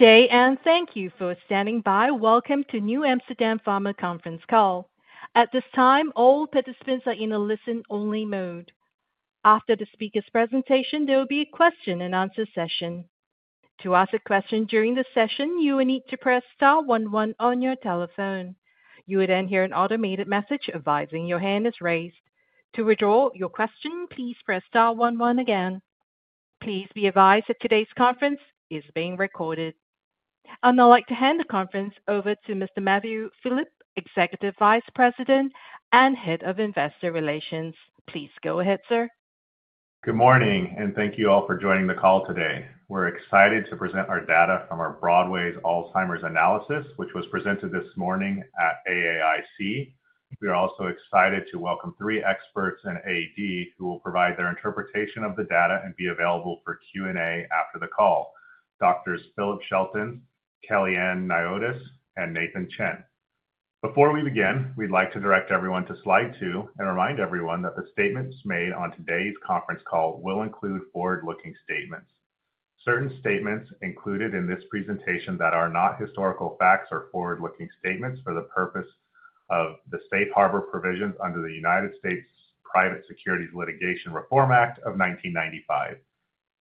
Today, and thank you for standing by. Welcome to the NewAmsterdam Pharma conference call. At this time, all participants are in a listen-only mode. After the speaker's presentation, there will be a question and answer session. To ask a question during the session, you will need to press star one one on your telephone. You will then hear an automated message advising your hand is raised. To withdraw your question, please press star one one again. Please be advised that today's conference is being recorded. I'd now like to hand the conference over to Mr. Matthew Philippe, Executive Vice President and Head of Investor Relations. Please go ahead, sir. Good morning, and thank you all for joining the call today. We're excited to present our data from our Broadway's Alzheimer's analysis, which was presented this morning at AAIC. We are also excited to welcome three experts in Alzheimer's disease who will provide their interpretation of the data and be available for Q&A after the call - Dr. Phil Scheltens, Kellyann Niotis, and Dr. Nathan Chin. Before we begin, we'd like to direct everyone to slide two and remind everyone that the statements made on today's conference call will include forward-looking statements. Certain statements included in this presentation that are not historical facts are forward-looking statements for the purpose of the Safe Harbor provisions under the U.S. Private Securities Litigation Reform Act of 1995.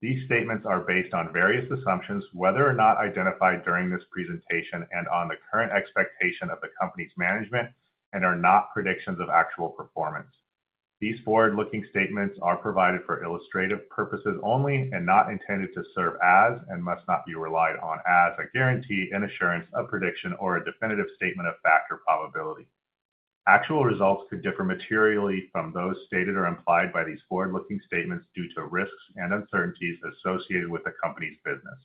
These statements are based on various assumptions whether or not identified during this presentation and on the current expectation of the company's management and are not predictions of actual performance. These forward-looking statements are provided for illustrative purposes only and not intended to serve as and must not be relied on as a guarantee and assurance of prediction or a definitive statement of fact or probability. Actual results could differ materially from those stated or implied by these forward-looking statements due to risks and uncertainties associated with the company's business.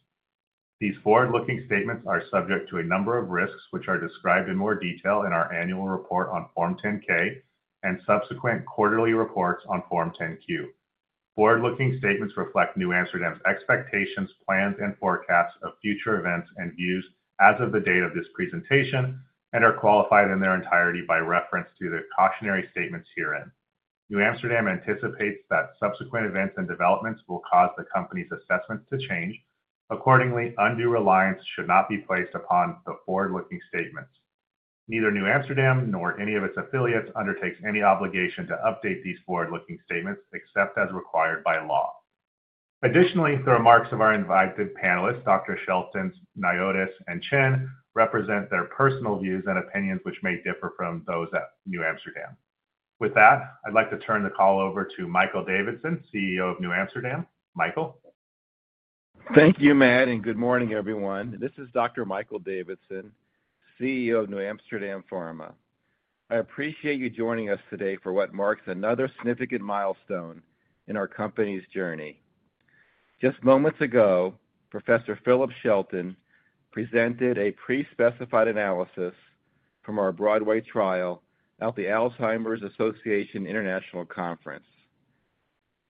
These forward-looking statements are subject to a number of risks, which are described in more detail in our annual report on Form 10-K and subsequent quarterly reports on Form 10-Q. Forward-looking statements reflect NewAmsterdam's expectations, plans, and forecasts of future events and views as of the date of this presentation and are qualified in their entirety by reference to the cautionary statements herein. NewAmsterdam anticipates that subsequent events and developments will cause the company's assessment to change. Accordingly, undue reliance should not be placed upon the forward-looking statements. Neither NewAmsterdam nor any of its affiliates undertakes any obligation to update these forward-looking statements except as required by law. Additionally, the remarks of our invited panelists, Dr. Shelton, Naiotis, and Chen, represent their personal views and opinions, which may differ from those at NewAmsterdam. With that, I'd like to turn the call over to Dr. Michael Davidson, CEO of NewAmsterdam. Michael? Thank you, Matt, and good morning, everyone. This is Dr. Michael Davidson, CEO of NewAmsterdam Pharma. I appreciate you joining us today for what marks another significant milestone in our company's journey. Just moments ago, Professor Philip Scheltens presented a pre-specified analysis from our Broadway trial at the Alzheimer’s Association International Conference.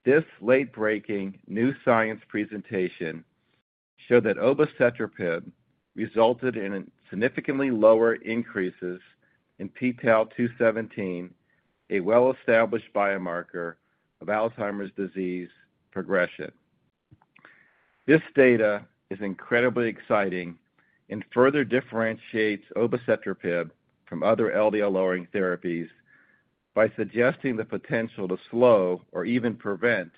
This late-breaking new science presentation showed that obicetrapib resulted in significantly lower increases in PTL217, a well-established biomarker of Alzheimer’s disease progression. This data is incredibly exciting and further differentiates obicetrapib from other LDL-lowering therapies by suggesting the potential to slow or even prevent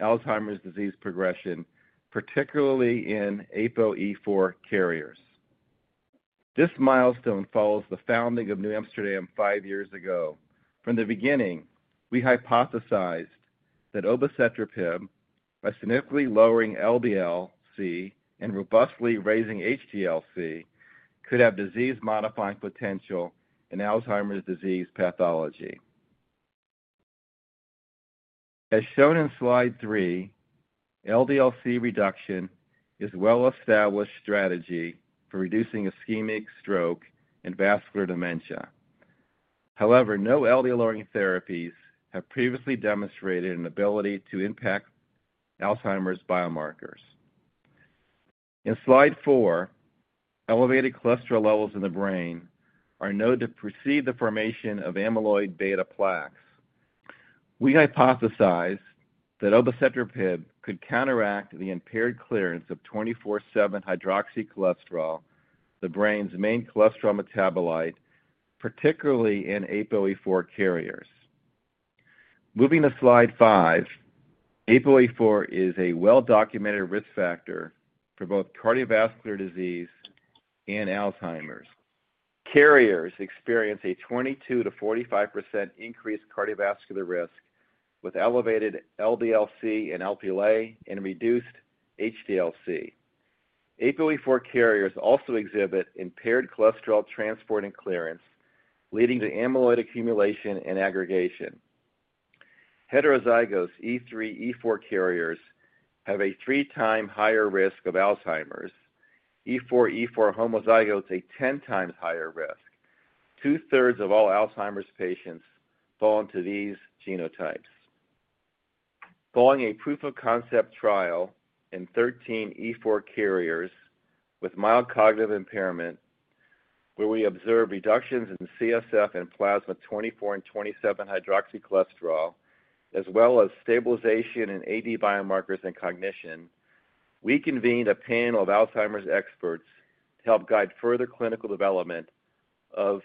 Alzheimer’s disease progression, particularly in APOE4 carriers. This milestone follows the founding of NewAmsterdam five years ago. From the beginning, we hypothesized that obicetrapib, by significantly lowering LDL-C and robustly raising HDL-C, could have disease-modifying potential in Alzheimer’s disease pathology. As shown in slide three, LDL-C reduction is a well-established strategy for reducing ischemic stroke and vascular dementia. However, no LDL-lowering therapies have previously demonstrated an ability to impact Alzheimer’s biomarkers. In slide four, elevated cholesterol levels in the brain are known to precede the formation of amyloid beta plaques. We hypothesize that obicetrapib could counteract the impaired clearance of 24/7 hydroxycholesterol, the brain’s main cholesterol metabolite, particularly in APOE4 carriers. Moving to slide five, APOE4 is a well-documented risk factor for both cardiovascular disease and Alzheimer’s. Carriers experience a 22%-45% increased cardiovascular risk with elevated LDL-C and LP(a) and reduced HDL-C. APOE4 carriers also exhibit impaired cholesterol transport and clearance, leading to amyloid accumulation and aggregation. Heterozygous E3/E4 carriers have a three times higher risk of Alzheimer’s. E4/E4 homozygotes are 10 times higher risk. Two-thirds of all Alzheimer’s patients fall into these genotypes. Following a proof-of-concept trial in 13 E4 carriers with mild cognitive impairment, where we observed reductions in CSF and plasma 24 and 27 hydroxycholesterol, as well as stabilization in AD biomarkers and cognition, we convened a panel of Alzheimer’s experts to help guide further clinical development of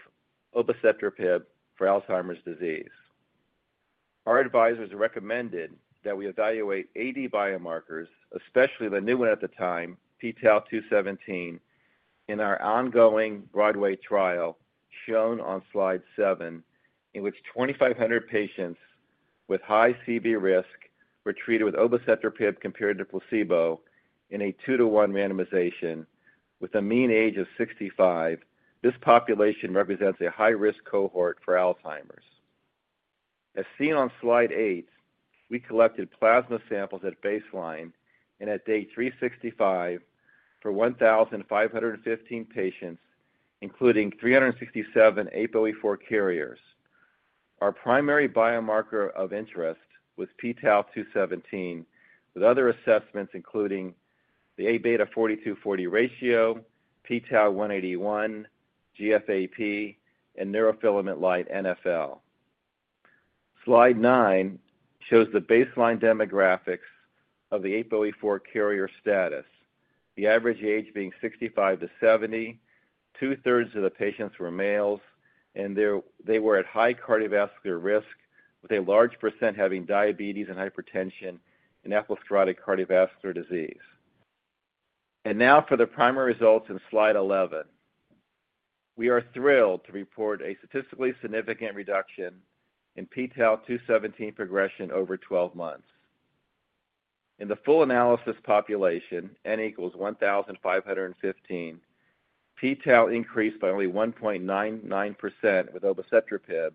obicetrapib for Alzheimer’s disease. Our advisors recommended that we evaluate AD biomarkers, especially the new one at the time, PTL217, in our ongoing Broadway trial shown on slide seven, in which 2,500 patients with high CV risk were treated with obicetrapib compared to placebo in a two-to-one randomization with a mean age of 65. This population represents a high-risk cohort for Alzheimer's. As seen on slide eight, we collected plasma samples at baseline and at day 365 for 1,515 patients, including 367 APOE4 carriers. Our primary biomarker of interest was PTL217, with other assessments including the Aβ42/40 ratio, PTL181, GFAP, and neurofilament light (NFL). Slide nine shows the baseline demographics of the APOE4 carrier status, the average age being 65-70. Two-thirds of the patients were males, and they were at high cardiovascular risk, with a large percent having diabetes and hypertension and atherosclerotic cardiovascular disease. Now for the primary results in slide 11. We are thrilled to report a statistically significant reduction in PTL217 progression over 12 months. In the full analysis population, N equals 1,515, PTL increased by only 1.99% with obicetrapib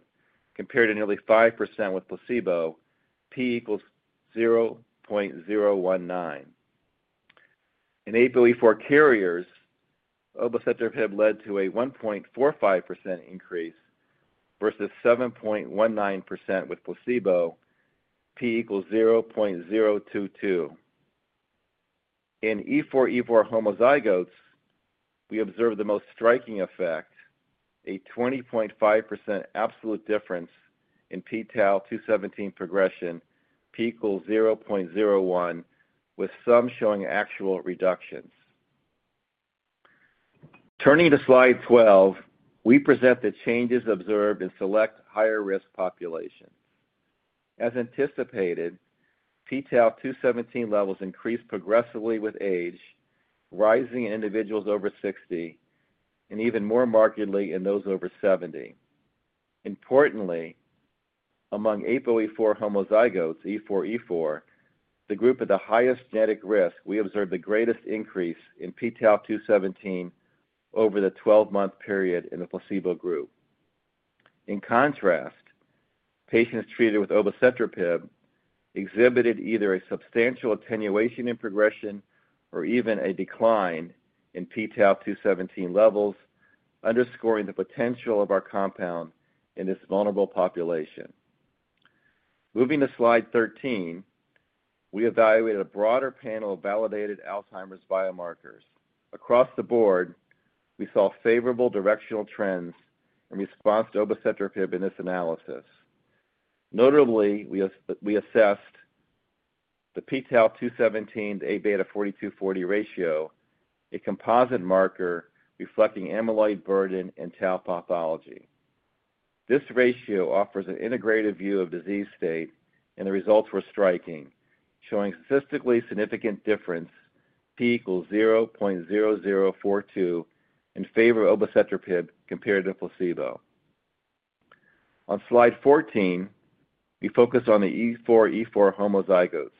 compared to nearly 5% with placebo, P equals 0.019. In APOE4 carriers, obicetrapib led to a 1.45% increase versus 7.19% with placebo, P equals 0.022. In E4/E4 homozygotes, we observed the most striking effect, a 20.5% absolute difference in PTL217 progression, P equals 0.01, with some showing actual reductions. Turning to slide 12, we present the changes observed in select higher-risk populations. As anticipated, PTL217 levels increased progressively with age, rising in individuals over 60 and even more markedly in those over 70. Importantly, among APOE4 homozygotes, E4/E4, the group at the highest genetic risk, we observed the greatest increase in PTL217 over the 12-month period in the placebo group. In contrast, patients treated with obicetrapib exhibited either a substantial attenuation in progression or even a decline in PTL217 levels, underscoring the potential of our compound in this vulnerable population. Moving to slide 13, we evaluated a broader panel of validated Alzheimer's biomarkers. Across the board, we saw favorable directional trends in response to obicetrapib in this analysis. Notably, we assessed the PTL217 Aβ42/40 ratio, a composite marker reflecting amyloid burden and Tau pathology. This ratio offers an integrated view of disease state, and the results were striking, showing a statistically significant difference, P equals 0.0042, in favor of obicetrapib compared to placebo. On slide 14, we focused on the E4/E4 homozygotes,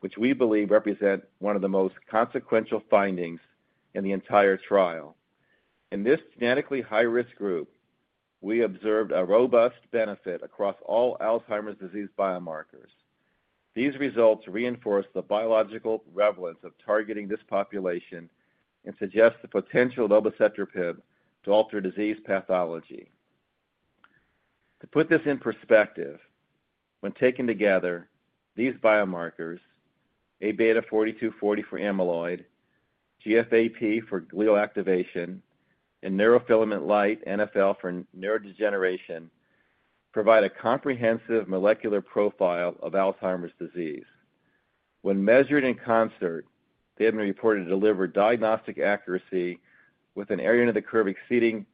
which we believe represent one of the most consequential findings in the entire trial. In this genetically high-risk group, we observed a robust benefit across all Alzheimer's disease biomarkers. These results reinforce the biological prevalence of targeting this population and suggest the potential of obicetrapib to alter disease pathology. To put this in perspective, when taken together, these biomarkers, Aβ42/40 for amyloid, GFAP for glial activation, and neurofilament light NFL for neurodegeneration provide a comprehensive molecular profile of Alzheimer's disease. When measured in concert, they have been reported to deliver diagnostic accuracy with an area under the curve exceeding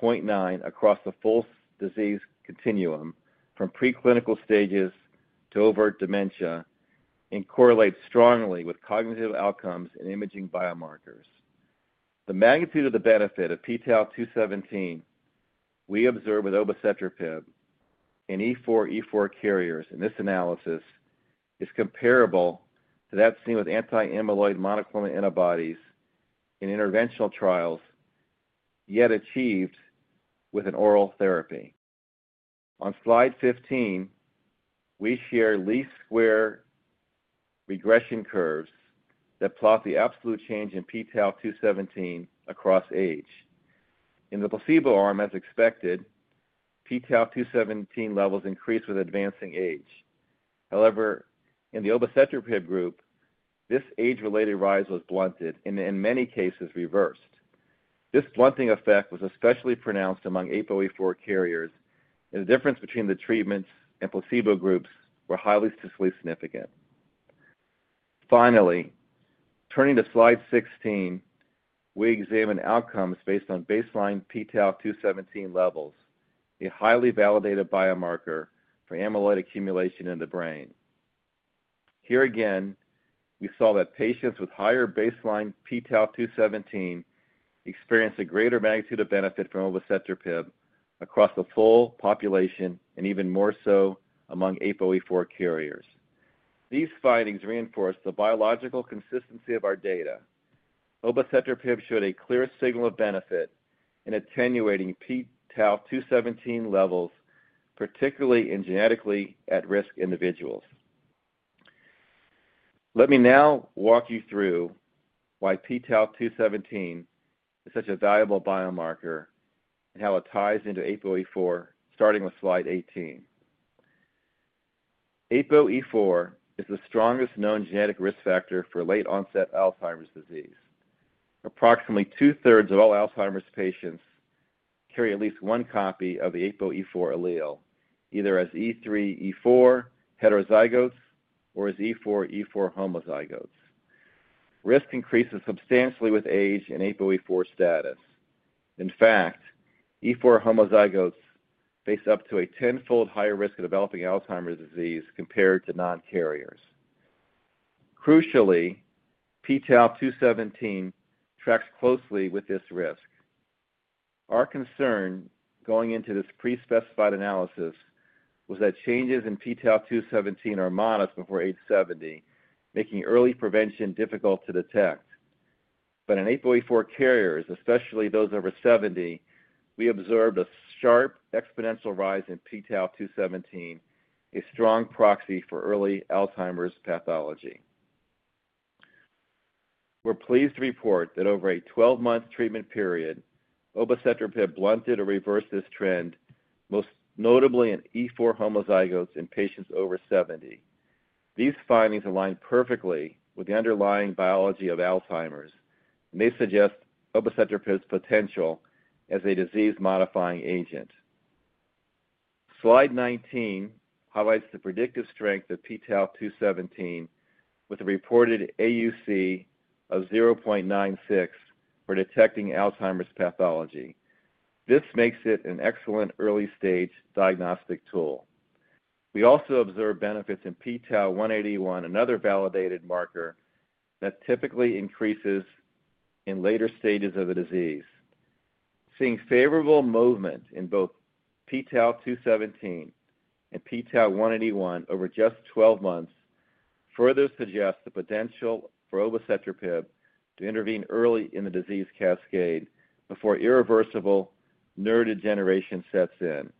0.9 across the full disease continuum from preclinical stages to overt dementia and correlate strongly with cognitive outcomes and imaging biomarkers. The magnitude of the benefit of PTL217 we observed with obicetrapib in E4/E4 carriers in this analysis is comparable to that seen with anti-amyloid monoclonal antibodies in interventional trials, yet achieved with an oral therapy. On slide 15, we share least square regression curves that plot the absolute change in PTL217 across age. In the placebo arm, as expected, PTL217 levels increase with advancing age. However, in the obicetrapib group, this age-related rise was blunted and in many cases reversed. This blunting effect was especially pronounced among APOE4 carriers, and the difference between the treatment and placebo groups was highly statistically significant. Finally, turning to slide 16, we examined outcomes based on baseline PTL217 levels, a highly validated biomarker for amyloid accumulation in the brain. Here again, we saw that patients with higher baseline PTL217 experienced a greater magnitude of benefit from obicetrapib across the full population and even more so among APOE4 carriers. These findings reinforce the biological consistency of our data. Obicetrapib showed a clear signal of benefit in attenuating PTL217 levels, particularly in genetically at-risk individuals. Let me now walk you through why PTL217 is such a valuable biomarker and how it ties into APOE4, starting with slide 18. APOE4 is the strongest known genetic risk factor for late-onset Alzheimer's disease. Approximately two-thirds of all Alzheimer's patients carry at least one copy of the APOE4 allele, either as E3/E4 heterozygotes or as E4/E4 homozygotes. Risk increases substantially with age and APOE4 status. In fact, E4 homozygotes face up to a tenfold higher risk of developing Alzheimer's disease compared to non-carriers. Crucially, PTL217 tracks closely with this risk. Our concern going into this pre-specified analysis was that changes in PTL217 are modest before age 70, making early prevention difficult to detect. In APOE4 carriers, especially those over 70, we observed a sharp exponential rise in PTL217, a strong proxy for early Alzheimer's pathology. We're pleased to report that over a 12-month treatment period, obicetrapib blunted or reversed this trend, most notably in E4 homozygotes in patients over 70. These findings align perfectly with the underlying biology of Alzheimer's and may suggest obicetrapib's potential as a disease-modifying agent. Slide 19 highlights the predictive strength of PTL217, with a reported AUC of 0.96 for detecting Alzheimer's pathology. This makes it an excellent early-stage diagnostic tool. We also observed benefits in PTL181, another validated marker that typically increases in later stages of the disease. Seeing favorable movement in both PTL217 and PTL181 over just 12 months further suggests the potential for obicetrapib to intervene early in the disease cascade before irreversible neurodegeneration sets in.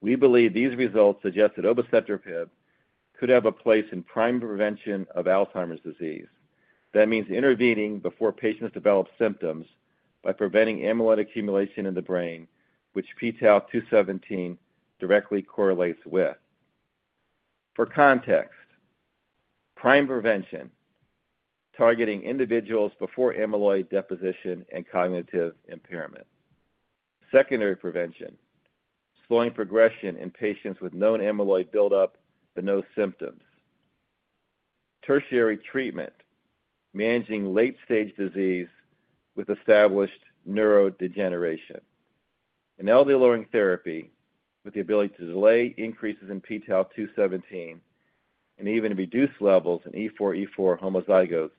We believe these results suggest that obicetrapib could have a place in prime prevention of Alzheimer's disease. That means intervening before patients develop symptoms by preventing amyloid accumulation in the brain, which PTL217 directly correlates with. For context, prime prevention targeting individuals before amyloid deposition and cognitive impairment. Secondary prevention slowing progression in patients with known amyloid buildup but no symptoms. Tertiary treatment managing late-stage disease with established neurodegeneration. An LDL-lowering therapy with the ability to delay increases in PTL217 and even reduce levels in E4/E4 homozygotes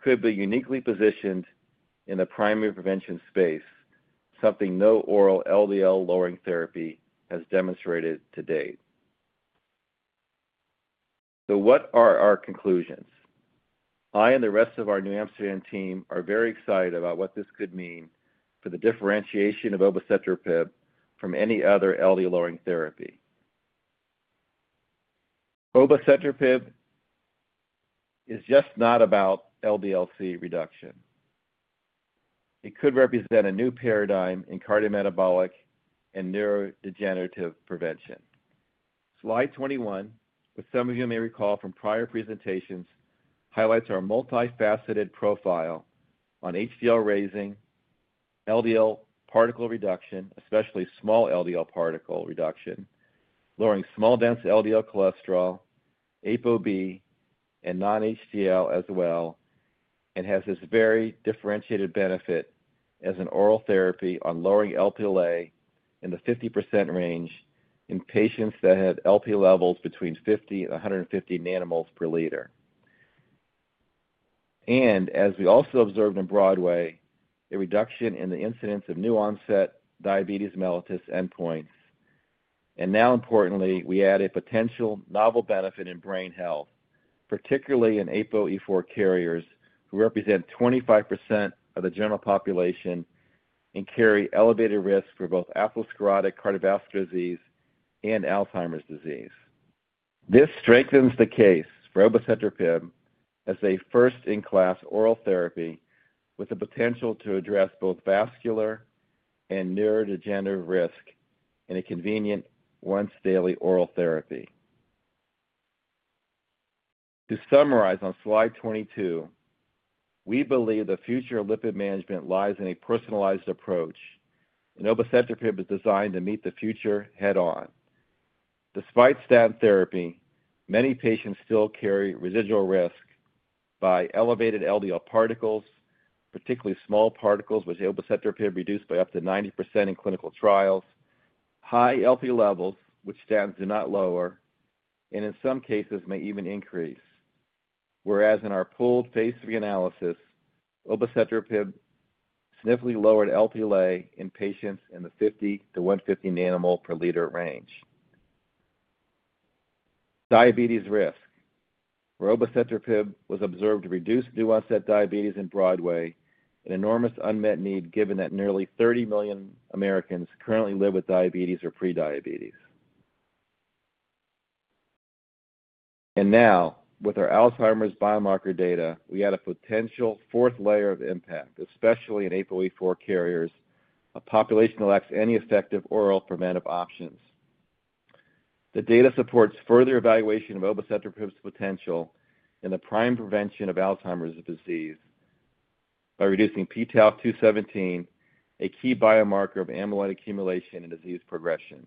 could be uniquely positioned in the primary prevention space, something no oral LDL-lowering therapy has demonstrated to date. What are our conclusions? I and the rest of our NewAmsterdam Pharma team are very excited about what this could mean for the differentiation of obicetrapib from any other LDL-lowering therapy. Obicetrapib is just not about LDL-C reduction. It could represent a new paradigm in cardiometabolic and neurodegenerative prevention. Slide 21, which some of you may recall from prior presentations, highlights our multifaceted profile on HDL raising, LDL particle reduction, especially small LDL particle reduction, lowering small dense LDL cholesterol, ApoB, and non-HDL as well, and has this very differentiated benefit as an oral therapy on lowering LP(a) in the 50% range in patients that have LP levels between 50 and 150 nmol/L. As we also observed in Broadway, a reduction in the incidence of new-onset diabetes mellitus endpoints. Now, importantly, we add a potential novel benefit in brain health, particularly in APOE4 carriers who represent 25% of the general population and carry elevated risk for both atherosclerotic cardiovascular disease and Alzheimer's disease. This strengthens the case for obicetrapib as a first-in-class oral therapy with the potential to address both vascular and neurodegenerative risk in a convenient once-daily oral therapy. To summarize, on slide 22, we believe the future of lipid management lies in a personalized approach, and obicetrapib is designed to meet the future head-on. Despite statin therapy, many patients still carry residual risk by elevated LDL particles, particularly small particles which obicetrapib reduced by up to 90% in clinical trials, high LP levels which statins do not lower, and in some cases may even increase. In our pooled phase three analysis, obicetrapib significantly lowered LP(a) in patients in the 50-150 nmol/L range. Diabetes risk, where obicetrapib was observed to reduce new-onset diabetes in Broadway, is an enormous unmet need given that nearly 30 million Americans currently live with diabetes or pre-diabetes. Now, with our Alzheimer's biomarker data, we add a potential fourth layer of impact, especially in APOE4 carriers, a population that lacks any effective oral preventive options. The data supports further evaluation of obicetrapib's potential in the prime prevention of Alzheimer's disease by reducing PTL217, a key biomarker of amyloid accumulation and disease progression.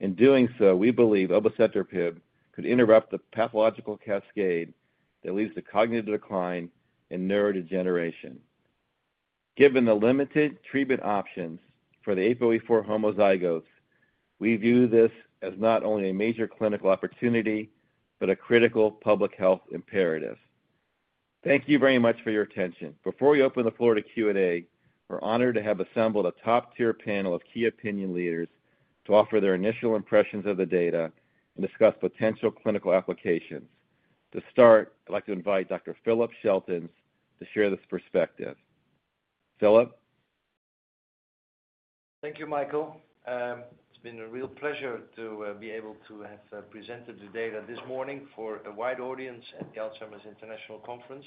In doing so, we believe obicetrapib could interrupt the pathological cascade that leads to cognitive decline and neurodegeneration. Given the limited treatment options for the APOE4 homozygotes, we view this as not only a major clinical opportunity but a critical public health imperative. Thank you very much for your attention. Before we open the floor to Q&A, we're honored to have assembled a top-tier panel of key opinion leaders to offer their initial impressions of the data and discuss potential clinical applications. To start, I'd like to invite Dr. Philip Scheltens to share this perspective. Philip? Thank you, Michael. It's been a real pleasure to be able to have presented the data this morning for a wide audience at the Alzheimer’s International Conference.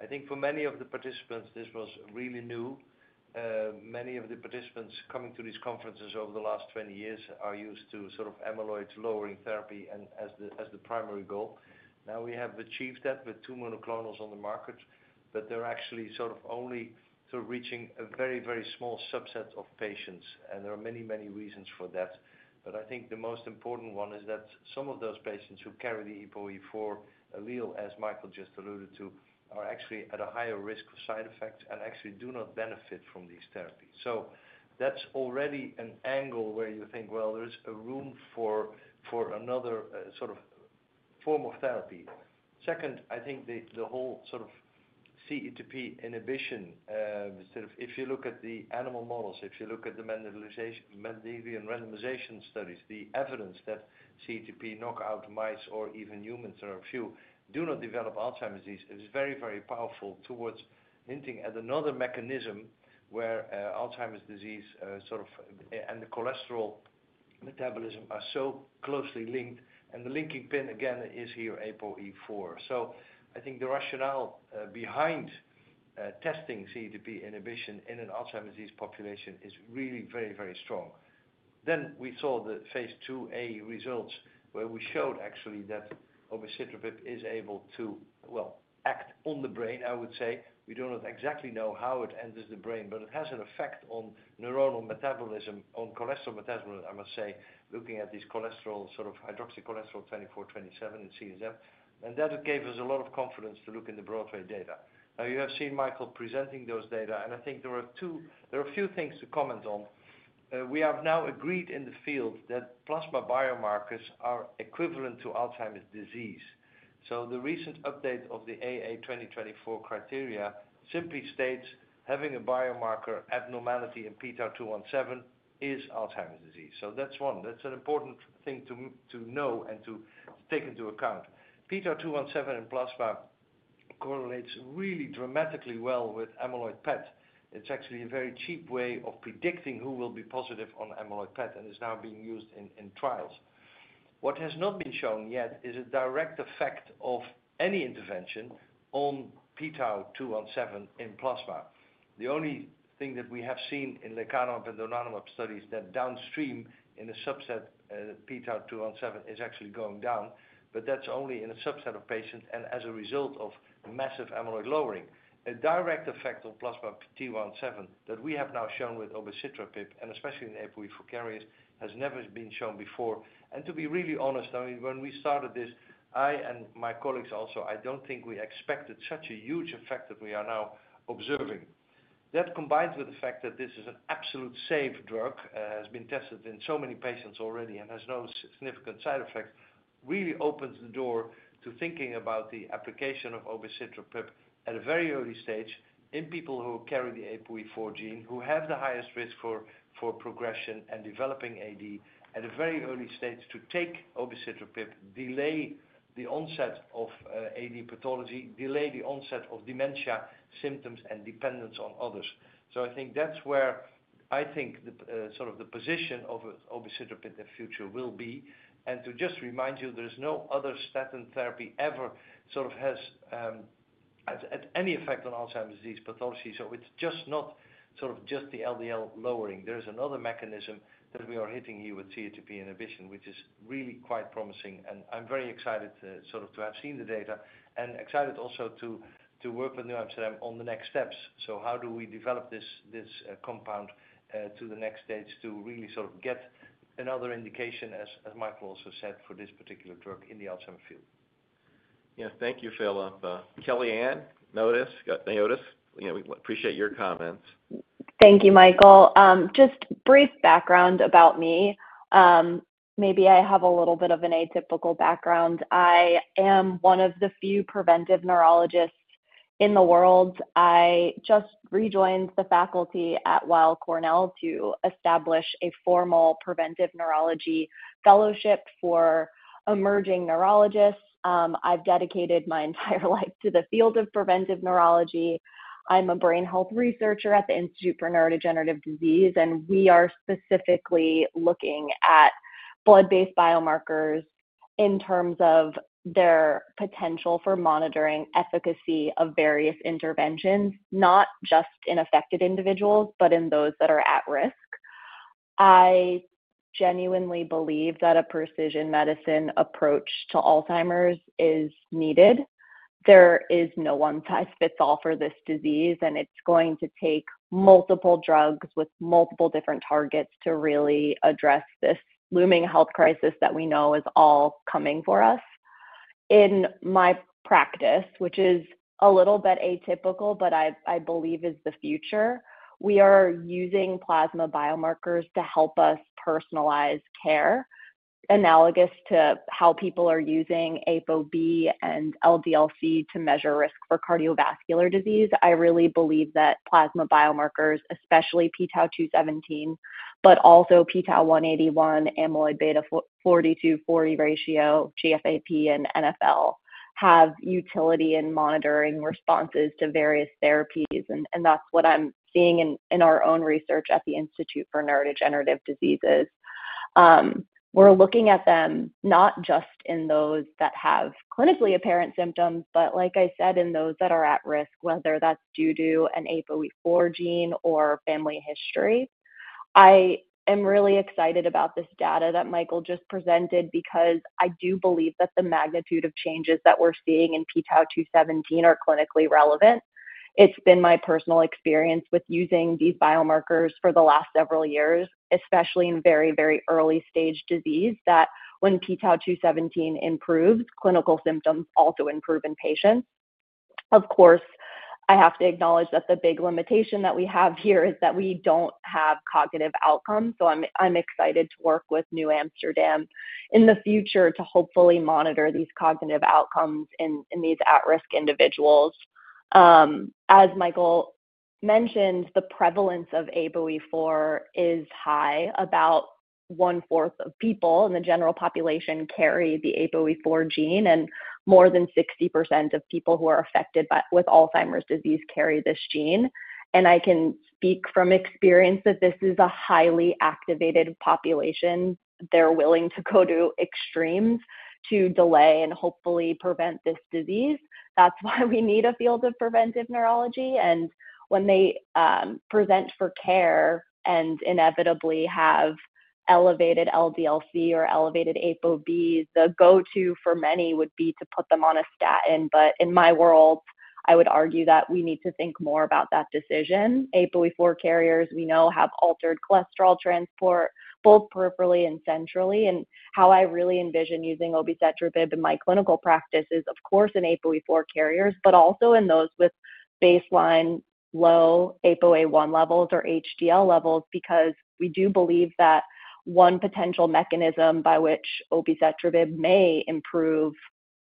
I think for many of the participants, this was really new. Many of the participants coming to these conferences over the last 20 years are used to sort of amyloid-lowering therapy as the primary goal. Now we have achieved that with two monoclonals on the market, but they're actually sort of only reaching a very, very small subset of patients. There are many, many reasons for that. I think the most important one is that some of those patients who carry the APOE4 allele, as Michael just alluded to, are actually at a higher risk of side effects and actually do not benefit from these therapies. That's already an angle where you think, there's a room for another sort of form of therapy. Second, I think the whole sort of CETP inhibition, if you look at the animal models, if you look at the Mendelian randomization studies, the evidence that CETP knockout mice or even humans, there are a few, do not develop Alzheimer's disease, is very, very powerful towards hinting at another mechanism where Alzheimer's disease and the cholesterol metabolism are so closely linked. The linking pin, again, is here APOE4. I think the rationale behind testing CETP inhibition in an Alzheimer's disease population is really very, very strong. We saw the phase 2A results where we showed actually that obicetrapib is able to, act on the brain, I would say. We do not exactly know how it enters the brain, but it has an effect on neuronal metabolism, on cholesterol metabolism, I must say, looking at these cholesterol sort of hydroxycholesterol 24, 27 in CSF. That gave us a lot of confidence to look in the Broadway data. Now you have seen Michael presenting those data, and I think there are a few things to comment on. We have now agreed in the field that plasma biomarkers are equivalent to Alzheimer's disease. The recent update of the AA 2024 criteria simply states having a biomarker abnormality in PTL217 is Alzheimer's disease. That's one. That's an important thing to know and to take into account. PTL217 in plasma correlates really dramatically well with amyloid PET. It's actually a very cheap way of predicting who will be positive on amyloid PET and is now being used in trials. What has not been shown yet is a direct effect of any intervention on PTL217 in plasma. The only thing that we have seen in lecanemab and donanemab studies is that downstream in a subset PTL217 is actually going down, but that's only in a subset of patients and as a result of massive amyloid lowering. A direct effect of plasma PTL217 that we have now shown with obicetrapib, and especially in APOE4 carriers, has never been shown before. To be really honest, when we started this, I and my colleagues also, I don't think we expected such a huge effect that we are now observing. That combined with the fact that this is an absolutely safe drug, has been tested in so many patients already and has no significant side effects, really opens the door to thinking about the application of obicetrapib at a very early stage in people who carry the APOE4 gene, who have the highest risk for progression and developing AD at a very early stage to take obicetrapib, delay the onset of AD pathology, delay the onset of dementia symptoms and dependence on others. I think that's where I think the sort of the position of obicetrapib in the future will be. To just remind you, there is no other statin therapy ever sort of has any effect on Alzheimer's disease pathology. It's just not sort of just the LDL lowering. There is another mechanism that we are hitting here with CETP inhibition, which is really quite promising. I'm very excited to have seen the data and excited also to work with NewAmsterdam on the next steps. How do we develop this compound to the next stage to really sort of get another indication, as Michael also said, for this particular drug in the Alzheimer's field? Yeah. Thank you, Philip. Kellyann Niotis, we appreciate your comments. Thank you, Michael. Just brief background about me. Maybe I have a little bit of an atypical background. I am one of the few preventive neurologists in the world. I just rejoined the faculty at Weill Cornell to establish a formal preventive neurology fellowship for emerging neurologists. I've dedicated my entire life to the field of preventive neurology. I'm a brain health researcher at the Institute for Neurodegenerative Disease, and we are specifically looking at blood-based biomarkers in terms of their potential for monitoring efficacy of various interventions, not just in affected individuals but in those that are at risk. I genuinely believe that a precision medicine approach to Alzheimer's is needed. There is no one size fits all for this disease, and it's going to take multiple drugs with multiple different targets to really address this looming health crisis that we know is all coming for us. In my practice, which is a little bit atypical but I believe is the future, we are using plasma biomarkers to help us personalize care, analogous to how people are using ApoB and LDL-C to measure risk for cardiovascular disease. I really believe that plasma biomarkers, especially PTL217 but also PTL181, Aβ42/40 ratio, GFAP, and NFL, have utility in monitoring responses to various therapies, and that's what I'm seeing in our own research at the Institute for Neurodegenerative Disease. We're looking at them not just in those that have clinically apparent symptoms but, like I said, in those that are at risk, whether that's due to an APOE4 gene or family history. I am really excited about this data that Michael just presented because I do believe that the magnitude of changes that we're seeing in PTL217 are clinically relevant. It's been my personal experience with using these biomarkers for the last several years, especially in very, very early-stage disease, that when PTL217 improves, clinical symptoms also improve in patients. Of course, I have to acknowledge that the big limitation that we have here is that we don't have cognitive outcomes. I am excited to work with NewAmsterdam Pharma in the future to hopefully monitor these cognitive outcomes in these at-risk individuals. As Michael mentioned, the prevalence of APOE4 is high. About one-fourth of people in the general population carry the APOE4 gene, and more than 60% of people who are affected with Alzheimer's disease carry this gene. I can speak from experience that this is a highly activated population. They're willing to go to extremes to delay and hopefully prevent this disease. That is why we need a field of preventive neurology. When they present for care and inevitably have elevated LDL-C or elevated ApoB, the go-to for many would be to put them on a statin. In my world, I would argue that we need to think more about that decision. APOE4 carriers, we know, have altered cholesterol transport both peripherally and centrally. How I really envision using obicetrapib in my clinical practice is, of course, in APOE4 carriers but also in those with baseline low ApoA1 levels or HDL levels because we do believe that one potential mechanism by which obicetrapib may improve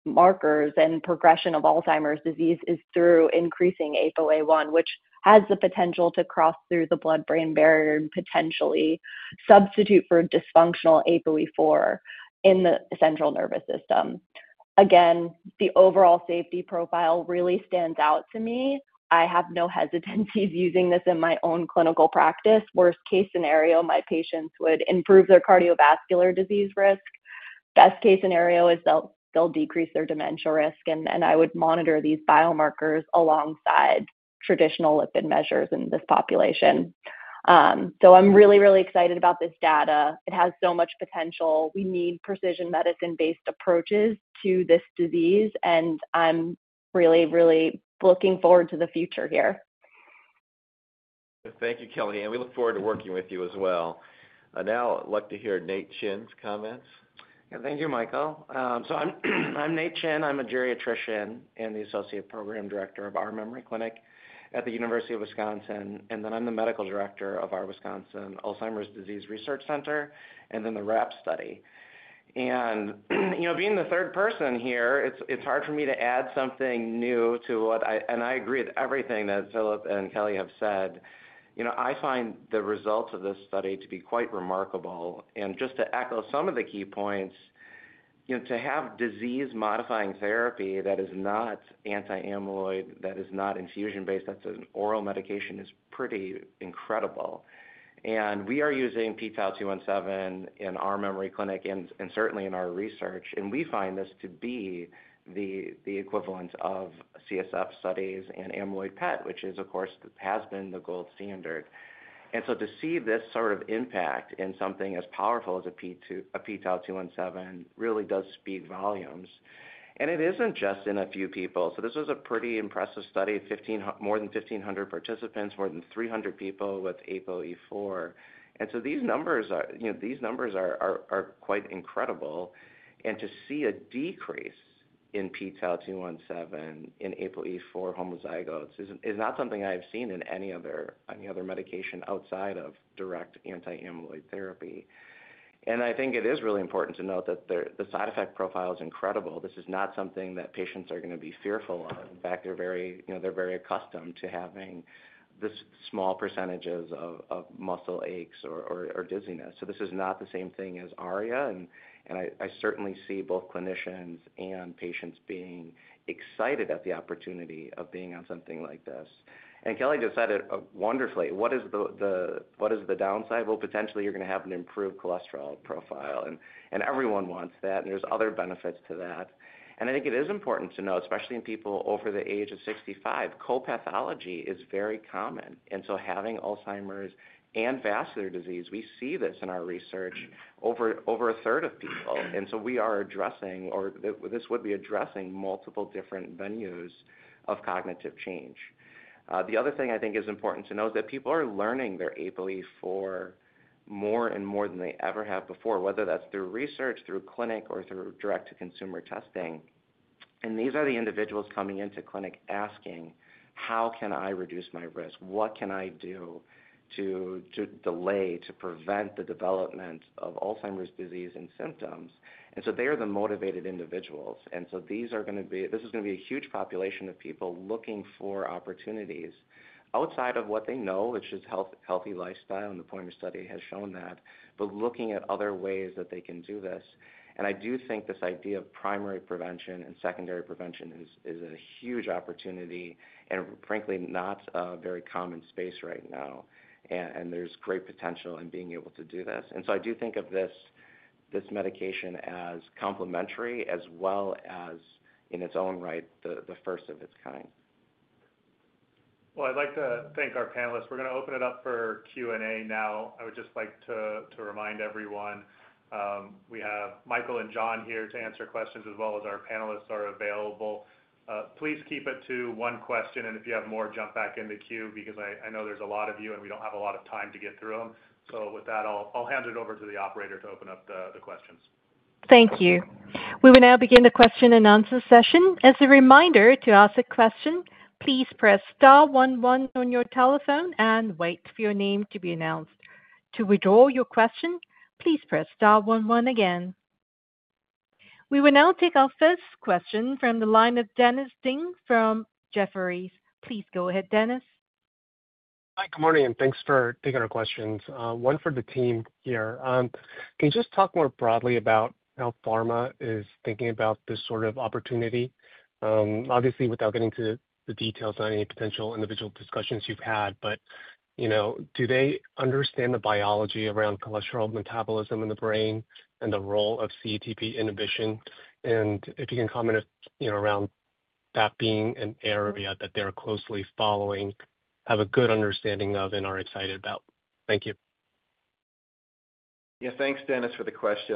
markers and progression of Alzheimer's disease is through increasing ApoA1, which has the potential to cross through the blood-brain barrier and potentially substitute for dysfunctional APOE4 in the central nervous system. Again, the overall safety profile really stands out to me. I have no hesitancies using this in my own clinical practice. Worst-case scenario, my patients would improve their cardiovascular disease risk. Best-case scenario is they'll decrease their dementia risk, and I would monitor these biomarkers alongside traditional lipid measures in this population. I'm really, really excited about this data. It has so much potential. We need precision medicine-based approaches to this disease, and I'm really, really looking forward to the future here. Thank you, Kellyann. We look forward to working with you as well. Now, I'd like to hear Dr. Nate Chin's comments. Thank you, Michael. I'm Nate Chin. I'm a geriatrician and the Associate Program Director of our memory clinic at the University of Wisconsin. I'm the Medical Director of our Wisconsin Alzheimer's Disease Research Center and the WRAP study. Being the third person here, it's hard for me to add something new to what I, and I agree with everything that Philip and Kellyann have said. I find the results of this study to be quite remarkable. Just to echo some of the key points, to have disease-modifying therapy that is not anti-amyloid, that is not infusion-based, that's an oral medication is pretty incredible. We are using PTL217 in our memory clinic and certainly in our research, and we find this to be the equivalent of CSF studies and amyloid PET, which has been the gold standard. To see this sort of impact in something as powerful as a PTL217 really does speak volumes. It isn't just in a few people. This was a pretty impressive study, more than 1,500 participants, more than 300 people with APOE4. These numbers are quite incredible. To see a decrease in PTL217 in APOE4 homozygotes is not something I have seen in any other medication outside of direct anti-amyloid therapy. I think it is really important to note that the side effect profile is incredible. This is not something that patients are going to be fearful of. In fact, they're very accustomed to having small % of muscle aches or dizziness. This is not the same thing as ARIA. I certainly see both clinicians and patients being excited at the opportunity of being on something like this. Kellyanne just said it wonderfully. What is the downside? Potentially, you're going to have an improved cholesterol profile, and everyone wants that, and there's other benefits to that. I think it is important to know, especially in people over the age of 65, co-pathology is very common. Having Alzheimer's and vascular disease, we see this in our research over a third of people. We are addressing, or this would be addressing, multiple different venues of cognitive change. The other thing I think is important to know is that people are learning their APOE4 more and more than they ever have before, whether that's through research, through clinic, or through direct-to-consumer testing. These are the individuals coming into clinic asking, "How can I reduce my risk?" What can I do to delay, to prevent the development of Alzheimer's disease and symptoms? They are the motivated individuals. This is going to be a huge population of people looking for opportunities outside of what they know, which is healthy lifestyle, and the point of study has shown that, but looking at other ways that they can do this. I do think this idea of primary prevention and secondary prevention is a huge opportunity and frankly not a very common space right now. There is great potential in being able to do this. I do think of this medication as complementary as well as, in its own right, the first of its kind. I would like to thank our panelists. We're going to open it up for Q&A now. I would just like to remind everyone, we have Michael and John here to answer questions as well as our panelists are available. Please keep it to one question, and if you have more, jump back in the queue because I know there's a lot of you and we don't have a lot of time to get through them. With that, I'll hand it over to the operator to open up the questions. Thank you. We will now begin the question and answer session. As a reminder, to ask a question, please press star 11 on your telephone and wait for your name to be announced. To withdraw your question, please press star 11 again. We will now take our first question from the line of Dennis Ding from Jefferies. Please go ahead, Dennis. Hi. Good morning, and thanks for taking our questions. One for the team here. Can you just talk more broadly about how pharma is thinking about this sort of opportunity? Obviously, without getting to the details on any potential individual discussions you've had, do they understand the biology around cholesterol metabolism in the brain and the role of CETP inhibition? If you can comment around that being an area that they're closely following, have a good understanding of, and are excited about. Thank you. Yeah. Thanks, Dennis, for the question.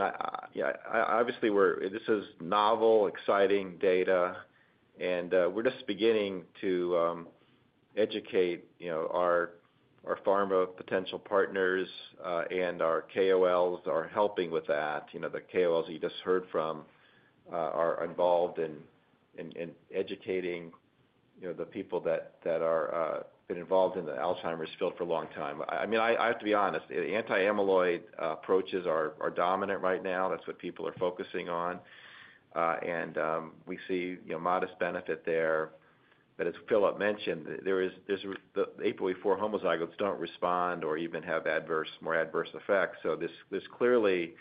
Yeah, obviously, this is novel, exciting data, and we're just beginning to educate our pharma potential partners, and our KOLs are helping with that. The KOLs that you just heard from are involved in educating the people that have been involved in the Alzheimer's field for a long time. I have to be honest, anti-amyloid approaches are dominant right now. That's what people are focusing on. We see modest benefit there. As Philip mentioned, the APOE4 homozygotes don't respond or even have more adverse effects. There's clearly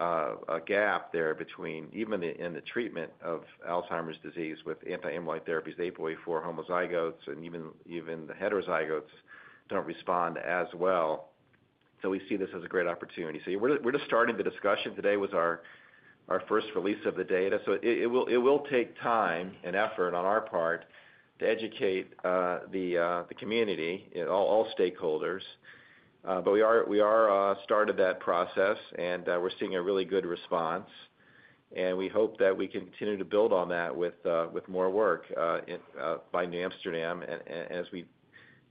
a gap there even in the treatment of Alzheimer's disease with anti-amyloid therapies. APOE4 homozygotes and even the heterozygotes don't respond as well. We see this as a great opportunity. We're just starting the discussion today with our first release of the data. It will take time and effort on our part to educate the community, all stakeholders. We are starting that process, and we're seeing a really good response. We hope that we can continue to build on that with more work by NewAmsterdam. As we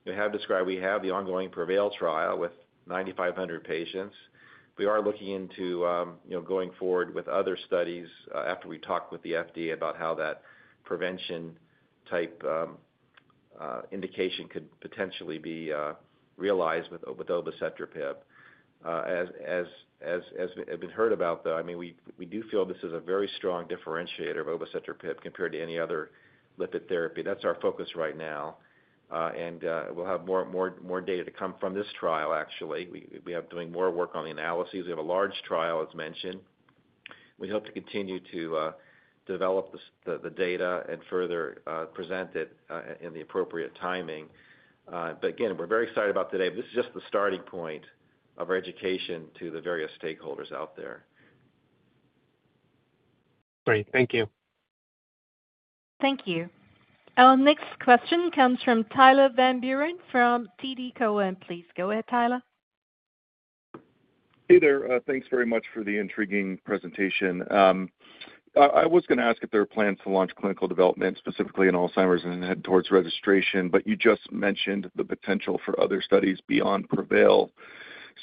have described, we have the ongoing PREVAIL trial with 9,500 patients. We are looking into going forward with other studies after we talk with the FDA about how that prevention-type indication could potentially be realized with obicetrapib. As we've heard about, we do feel this is a very strong differentiator of obicetrapib compared to any other lipid therapy. That's our focus right now. We'll have more data to come from this trial, actually. We have been doing more work on the analyses. We have a large trial, as mentioned. We hope to continue to develop the data and further present it in the appropriate timing. Again, we're very excited about today. This is just the starting point of education to the various stakeholders out there. Great. Thank you. Thank you. Our next question comes from Tyler Van Buren from TD Cowen. Please go ahead, Tyler. Hey there. Thanks very much for the intriguing presentation. I was going to ask if there are plans to launch clinical development specifically in Alzheimer's and head towards registration, but you just mentioned the potential for other studies beyond PREVAIL.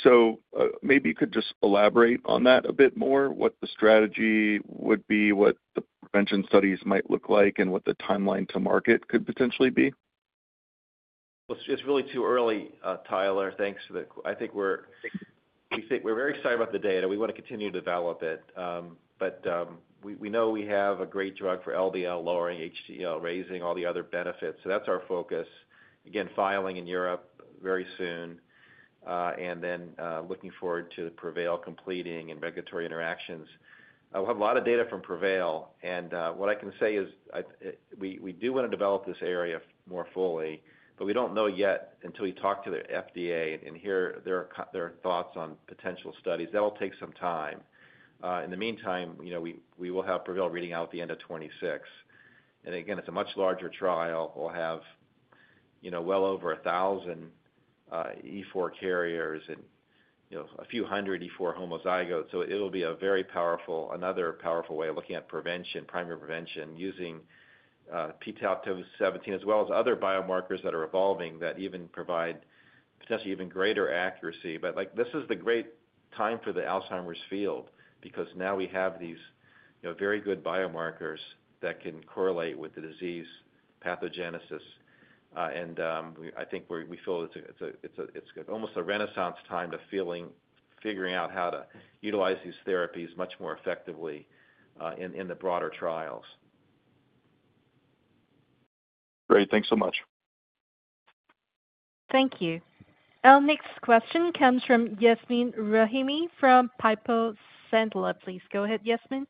Could you just elaborate on that a bit more, what the strategy would be, what the prevention studies might look like, and what the timeline to market could potentially be? It's really too early, Tyler. Thanks for the question. I think we're very excited about the data. We want to continue to develop it, but we know we have a great drug for LDL lowering, HDL raising, all the other benefits. That's our focus. Again, filing in Europe very soon and then looking forward to the PREVAIL completing and regulatory interactions. We'll have a lot of data from PREVAIL. What I can say is we do want to develop this area more fully, but we don't know yet until we talk to the FDA and hear their thoughts on potential studies. That'll take some time. In the meantime, you know we will have PREVAIL reading out at the end of 2026. Again, it's a much larger trial. We'll have, you know, well over 1,000 E4 carriers and, you know, a few hundred E4 homozygotes. It'll be a very powerful, another powerful way of looking at primary prevention using PTL217 as well as other biomarkers that are evolving that even provide potentially even greater accuracy. This is the great time for the Alzheimer's field because now we have these very good biomarkers that can correlate with the disease pathogenesis. I think we feel it's almost a renaissance time to figuring out how to utilize these therapies much more effectively in the broader trials. Great, thanks so much. Thank you. Our next question comes from Yasmeen Rahimi from Piper Sandler. Please go ahead, Yasmin.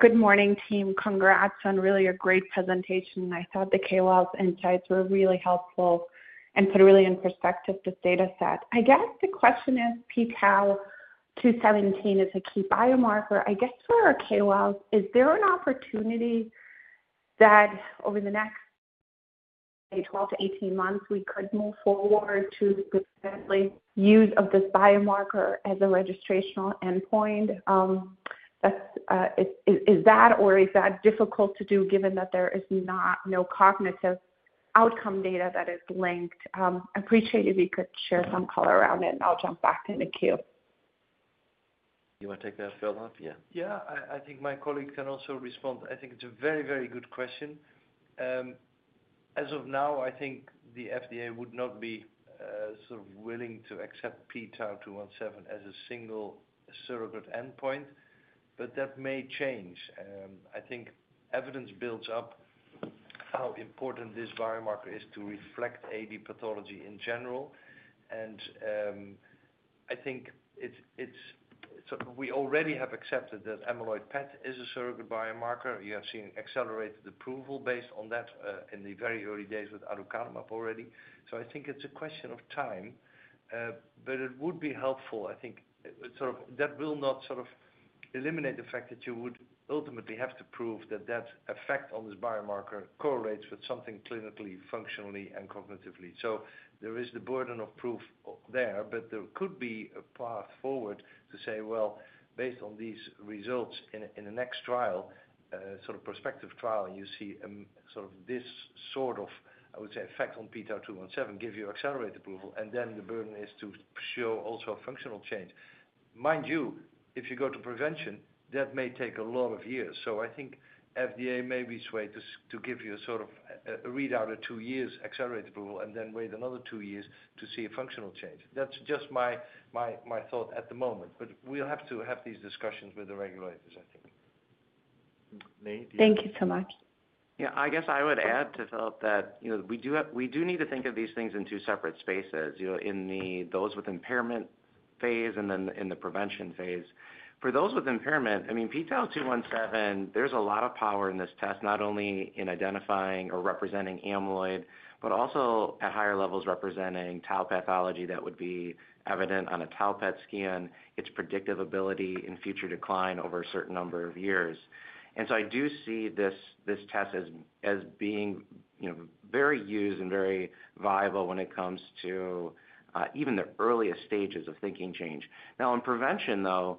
Good morning, team. Congrats on really a great presentation. I thought the KOLs' insights were really helpful and put really in perspective this data set. The question is PTL217 is a key biomarker. For our KOLs, is there an opportunity that over the next, say, 12-18 months, we could move forward to specifically use of this biomarker as a registrational endpoint? Is that, or is that difficult to do given that there is no cognitive outcome data that is linked? I appreciate if you could share some color around it, and I'll jump back in the queue. You want to take that, Philip? Yeah. Yeah, I think my colleague can also respond. I think it's a very, very good question. As of now, I think the FDA would not be sort of willing to accept PTL217 as a single surrogate endpoint, but that may change. I think evidence builds up how important this biomarker is to reflect AD pathology in general. I think we already have accepted that amyloid PET is a surrogate biomarker. You have seen accelerated approval based on that in the very early days with aducanumab already. I think it's a question of time, but it would be helpful. I think that will not sort of eliminate the fact that you would ultimately have to prove that that effect on this biomarker correlates with something clinically, functionally, and cognitively. There is the burden of proof there, but there could be a path forward to say, based on these results in the next trial, sort of prospective trial, and you see sort of this sort of, I would say, effect on PTL217, give you accelerated approval, and then the burden is to show also a functional change. Mind you, if you go to prevention, that may take a lot of years. I think FDA may be swayed to give you a sort of a readout of two years accelerated approval and then wait another two years to see a functional change. That's just my thought at the moment. We'll have to have these discussions with the regulators, I think. Nate, Thank you so much. Yeah. I guess I would add to Philip that we do need to think of these things in two separate spaces, you know, in those with impairment phase and then in the prevention phase. For those with impairment, I mean, PTL217, there's a lot of power in this test, not only in identifying or representing amyloid but also at higher levels representing Tau pathology that would be evident on a Tau PET scan, its predictive ability in future decline over a certain number of years. I do see this test as being very used and very viable when it comes to even the earliest stages of thinking change. Now, in prevention, though,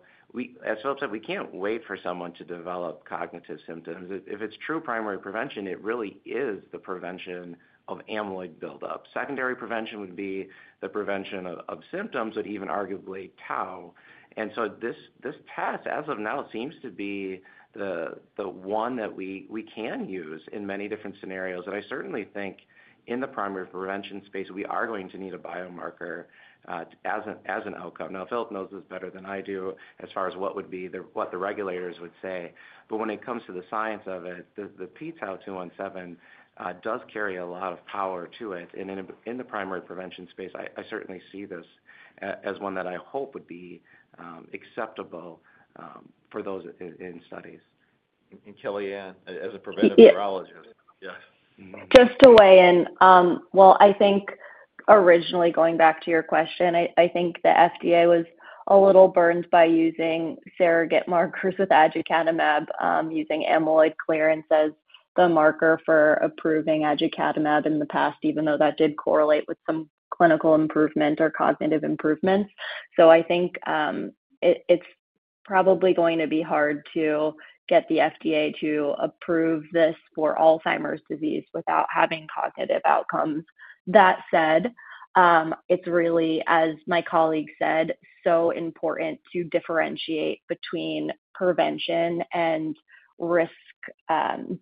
as Philip said, we can't wait for someone to develop cognitive symptoms. If it's true primary prevention, it really is the prevention of amyloid buildup. Secondary prevention would be the prevention of symptoms or even arguably Tau. This test, as of now, seems to be the one that we can use in many different scenarios. I certainly think in the primary prevention space, we are going to need a biomarker as an outcome. Philip knows this better than I do as far as what the regulators would say. When it comes to the science of it, the PTL217 does carry a lot of power to it. In the primary prevention space, I certainly see this as one that I hope would be acceptable for those in studies. Kellyann, as a preventive neurologist. Yeah. Just to weigh in, I think originally, going back to your question, I think the FDA was a little burned by using surrogate markers with aducanumab, using amyloid clearance as the marker for approving aducanumab in the past, even though that did correlate with some clinical improvement or cognitive improvements. I think it's probably going to be hard to get the FDA to approve this for Alzheimer's disease without having cognitive outcomes. That said, it's really, as my colleague said, so important to differentiate between prevention and risk and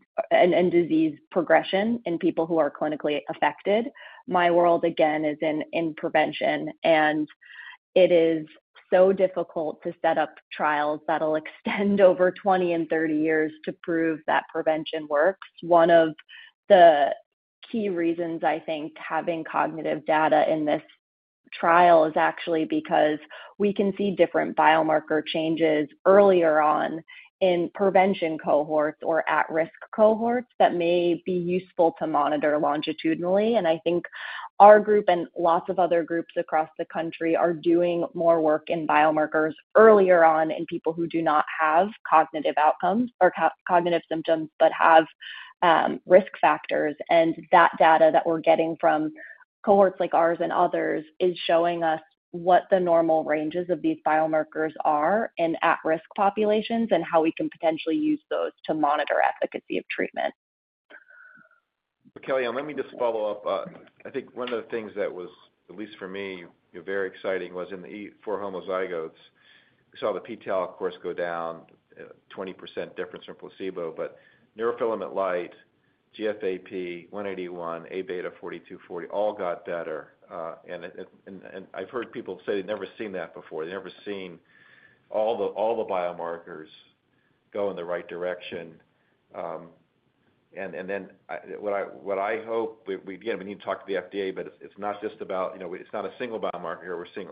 disease progression in people who are clinically affected. My world, again, is in prevention, and it is so difficult to set up trials that'll extend over 20 or 30 years to prove that prevention works. One of the key reasons, I think, having cognitive data in this trial is actually because we can see different biomarker changes earlier on in prevention cohorts or at-risk cohorts that may be useful to monitor longitudinally. I think our group and lots of other groups across the country are doing more work in biomarkers earlier on in people who do not have cognitive outcomes or cognitive symptoms but have risk factors. That data that we're getting from cohorts like ours and others is showing us what the normal ranges of these biomarkers are in at-risk populations and how we can potentially use those to monitor efficacy of treatment. Kellyann, let me just follow up. I think one of the things that was, at least for me, very exciting was in the APOE4 homozygotes. We saw the PTL181, of course, go down, a 20% difference from placebo. Neurofilament light, GFAP, PTL181, Aβ42/40 all got better. I've heard people say they've never seen that before. They've never seen all the biomarkers go in the right direction. I hope again, we need to talk to the FDA, but it's not just about, it's not a single biomarker here. We're seeing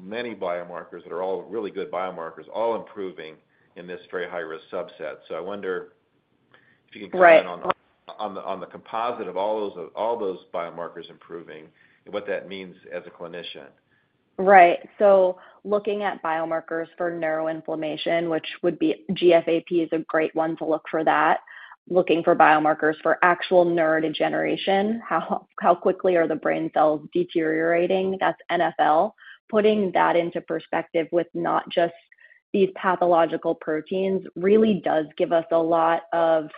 many biomarkers that are all really good biomarkers all improving in this very high-risk subset. I wonder if you can comment on the composite of all those biomarkers improving and what that means as a clinician. Right. Looking at biomarkers for neuroinflammation, which would be GFAP, is a great one to look for that. Looking for biomarkers for actual neurodegeneration, how quickly are the brain cells deteriorating? That's NFL. Putting that into perspective with not just these pathological proteins really does give us a lot of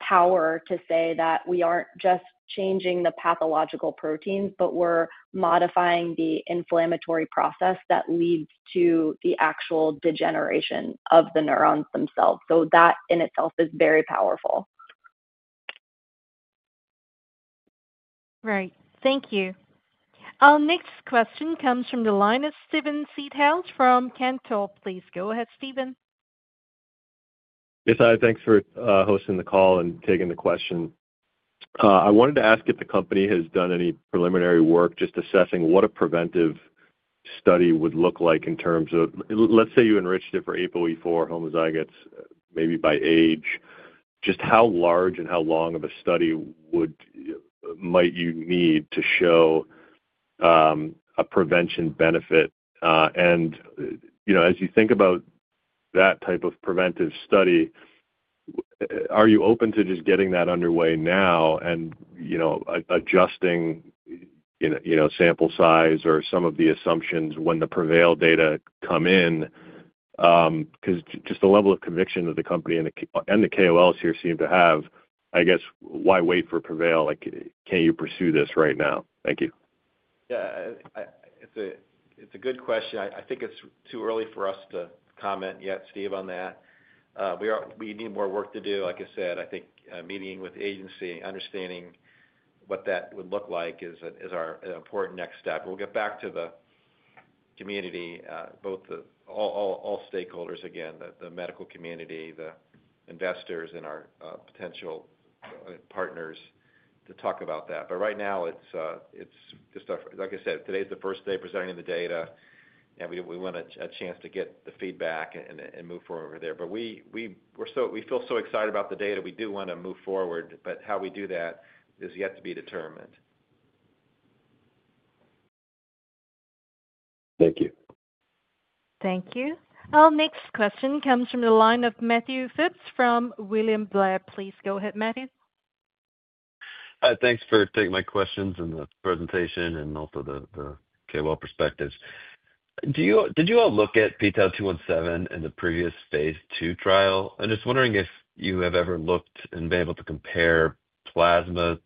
power to say that we aren't just changing the pathological proteins, but we're modifying the inflammatory process that leads to the actual degeneration of the neurons themselves. That in itself is very powerful. Right. Thank you. Our next question comes from the line of Steve Seedhouse from Cantor. Please go ahead, Steven. Yes. Hi. Thanks for hosting the call and taking the question. I wanted to ask if the company has done any preliminary work assessing what a preventive study would look like in terms of, let's say, you enriched it for APOE4 homozygotes, maybe by age. Just how large and how long of a study might you need to show a prevention benefit? As you think about that type of preventive study, are you open to getting that underway now and adjusting sample size or some of the assumptions when the PREVAIL data come in? Because the level of conviction that the company and the KOLs here seem to have, I guess, why wait for PREVAIL? Can you pursue this right now? Thank you. Yeah. It's a good question. I think it's too early for us to comment yet, Steve, on that. We need more work to do. Like I said, I think meeting with the agency, understanding what that would look like, is our important next step. We'll get back to the community, all stakeholders again, the medical community, the investors, and our potential partners to talk about that. Right now, it's just like I said, today is the first day presenting the data, and we want a chance to get the feedback and move forward from there. We feel so excited about the data. We do want to move forward, but how we do that is yet to be determined. Thank you. Thank you. Our next question comes from the line of Matthew Phipps from William Blair. Please go ahead, Matthew. Thanks for taking my questions and the presentation and also the KOL perspectives. Did you all look at PTL217 in the previous phase two trial? I'm just wondering if you have ever looked and been able to compare plasma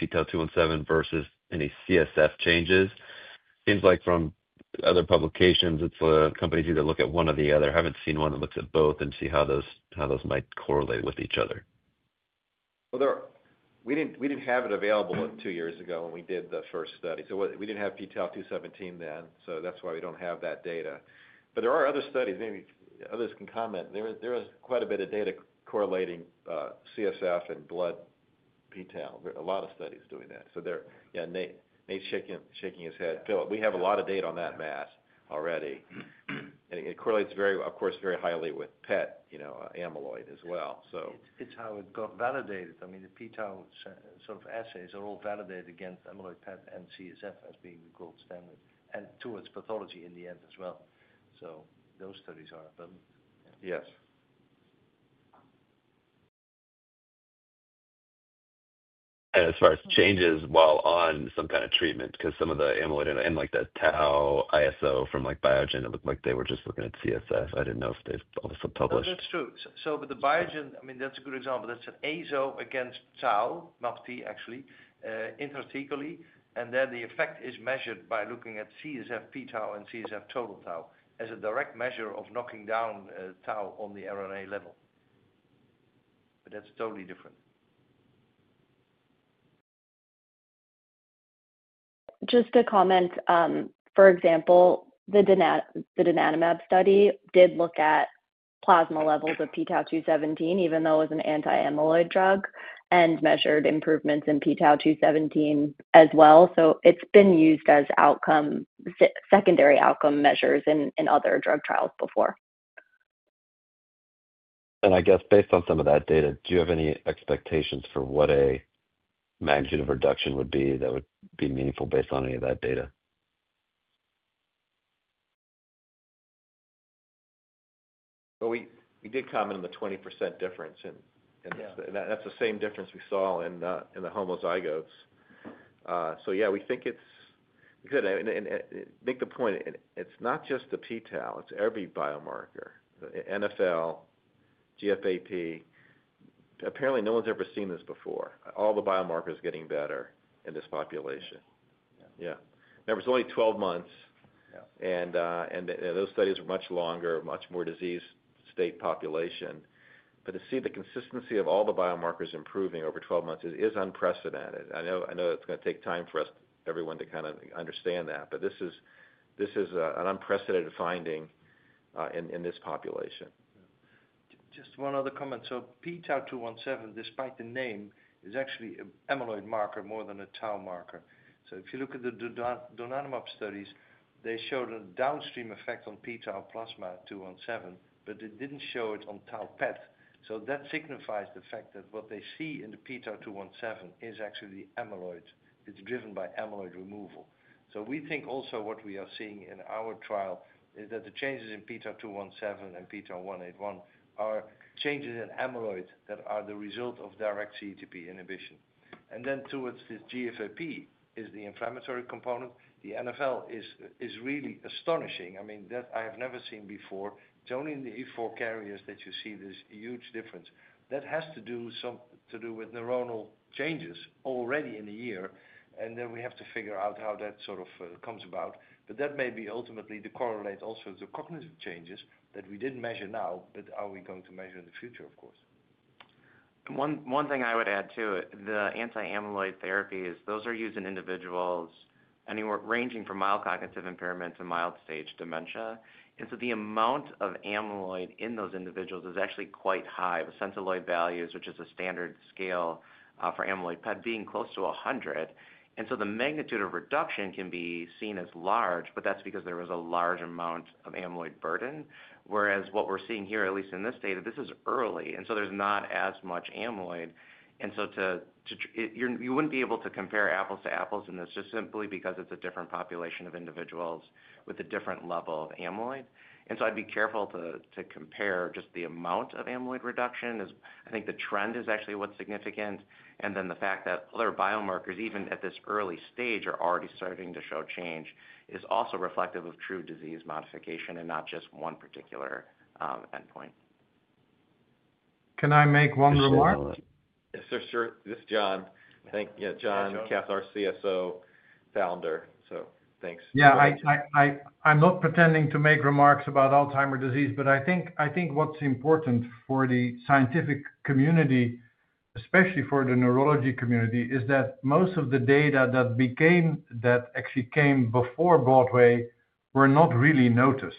PTL217 versus any CSF changes. It seems like from other publications, companies either look at one or the other. I haven't seen one that looks at both and see how those might correlate with each other. We didn't have it available two years ago when we did the first study. We didn't have PTL217 then, which is why we don't have that data. There are other studies. Maybe others can comment. There is quite a bit of data correlating CSF and blood PTL. A lot of studies are doing that. Nate's shaking his head. Philip, we have a lot of data on that mass already, and it correlates, of course, very highly with PET, you know, amyloid as well. It's how it got validated. I mean, the PTL sort of assays are all validated against amyloid PET and CSF as being the gold standard, and towards pathology in the end as well. Those studies are abundant. Yes. As far as changes while on some kind of treatment, because some of the amyloid and like the tau isoforms from like Biogen, it looked like they were just looking at CSF. I didn't know if they've also published. Oh, that's true. With the Biogen, I mean, that's a good example. That's an ISO against Tau, MAPT actually, intrathecally. The effect is measured by looking at CSF PTL and CSF total Tau as a direct measure of knocking down Tau on the RNA level. That's totally different. Just a comment. For example, the donanomab study did look at plasma levels of PTL217, even though it was an anti-amyloid drug, and measured improvements in PTL217 as well. It's been used as secondary outcome measures in other drug trials before. Based on some of that data, do you have any expectations for what a magnitude of reduction would be that would be meaningful based on any of that data? We did comment on the 20% difference. That's the same difference we saw in the homozygotes. Yeah, we think it's, we said, make the point. It's not just the PTL. It's every biomarker - NFL, GFAP. Apparently, no one's ever seen this before. All the biomarkers are getting better in this population. Yeah. Remember, it's only 12 months. Yeah. Those studies are much longer, much more disease state population. To see the consistency of all the biomarkers improving over 12 months is unprecedented. I know it's going to take time for everyone to kind of understand that, but this is an unprecedented finding in this population. Just one other comment. PTL217, despite the name, is actually an amyloid marker more than a Tau marker. If you look at the donanomab studies, they showed a downstream effect on PTL plasma 217, but they didn't show it on Tau PET. That signifies the fact that what they see in the PTL217 is actually the amyloid. It's driven by amyloid removal. We think also what we are seeing in our trial is that the changes in PTL217 and PTL181 are changes in amyloid that are the result of direct CETP inhibition. Towards this, GFAP is the inflammatory component. The NFL is really astonishing. I mean, that I have never seen before. It's only in the E4 carriers that you see this huge difference. That has to do with neuronal changes already in the year. We have to figure out how that sort of comes about. That may be ultimately to correlate also to cognitive changes that we didn't measure now, but are going to measure in the future, of course. One thing I would add too, the anti-amyloid therapies, those are used in individuals anywhere ranging from mild cognitive impairment to mild stage dementia. The amount of amyloid in those individuals is actually quite high with centiloid values, which is a standard scale for amyloid PET, being close to 100. The magnitude of reduction can be seen as large, but that's because there was a large amount of amyloid burden. Whereas what we're seeing here, at least in this data, this is early. There's not as much amyloid, so you wouldn't be able to compare apples to apples in this just simply because it's a different population of individuals with a different level of amyloid. I'd be careful to compare just the amount of amyloid reduction as I think the trend is actually what's significant. The fact that other biomarkers, even at this early stage, are already starting to show change is also reflective of true disease modification and not just one particular endpoint. Can I make one remark? Yes, sir. Sure. This is John. Thank you. Yeah, John Kastelein, CSO, [Co-founder]. Thanks. Yeah. I'm not pretending to make remarks about Alzheimer's disease, but I think what's important for the scientific community, especially for the neurology community, is that most of the data that actually came before Broadway were not really noticed.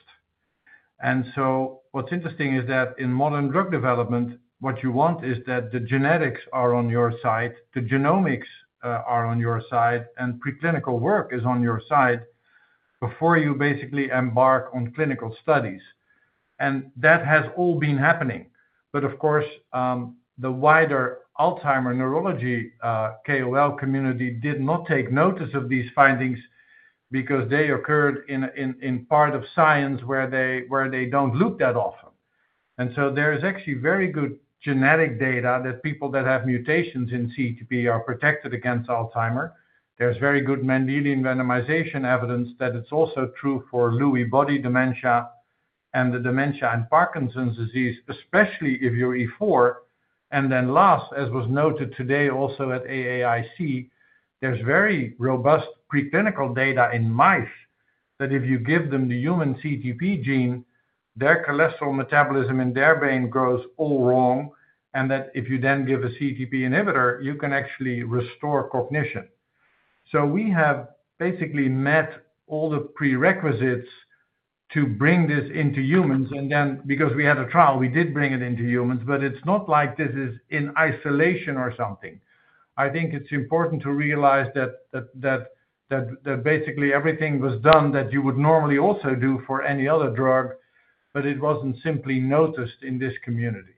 What's interesting is that in modern drug development, what you want is that the genetics are on your side, the genomics are on your side, and preclinical work is on your side before you basically embark on clinical studies. That has all been happening. Of course, the wider Alzheimer's neurology KOL community did not take notice of these findings because they occurred in part of science where they don't look that often. There is actually very good genetic data that people that have mutations in CETP are protected against Alzheimer's. There's very good Mendelian randomization evidence that it's also true for Lewy body dementia and the dementia in Parkinson's disease, especially if you're E4. Last, as was noted today also at AAIC, there's very robust preclinical data in mice that if you give them the human CETP gene, their cholesterol metabolism in their brain grows all wrong. If you then give a CETP inhibitor, you can actually restore cognition. We have basically met all the prerequisites to bring this into humans. Because we had a trial, we did bring it into humans. It's not like this is in isolation or something. I think it's important to realize that basically everything was done that you would normally also do for any other drug, but it wasn't simply noticed in this community.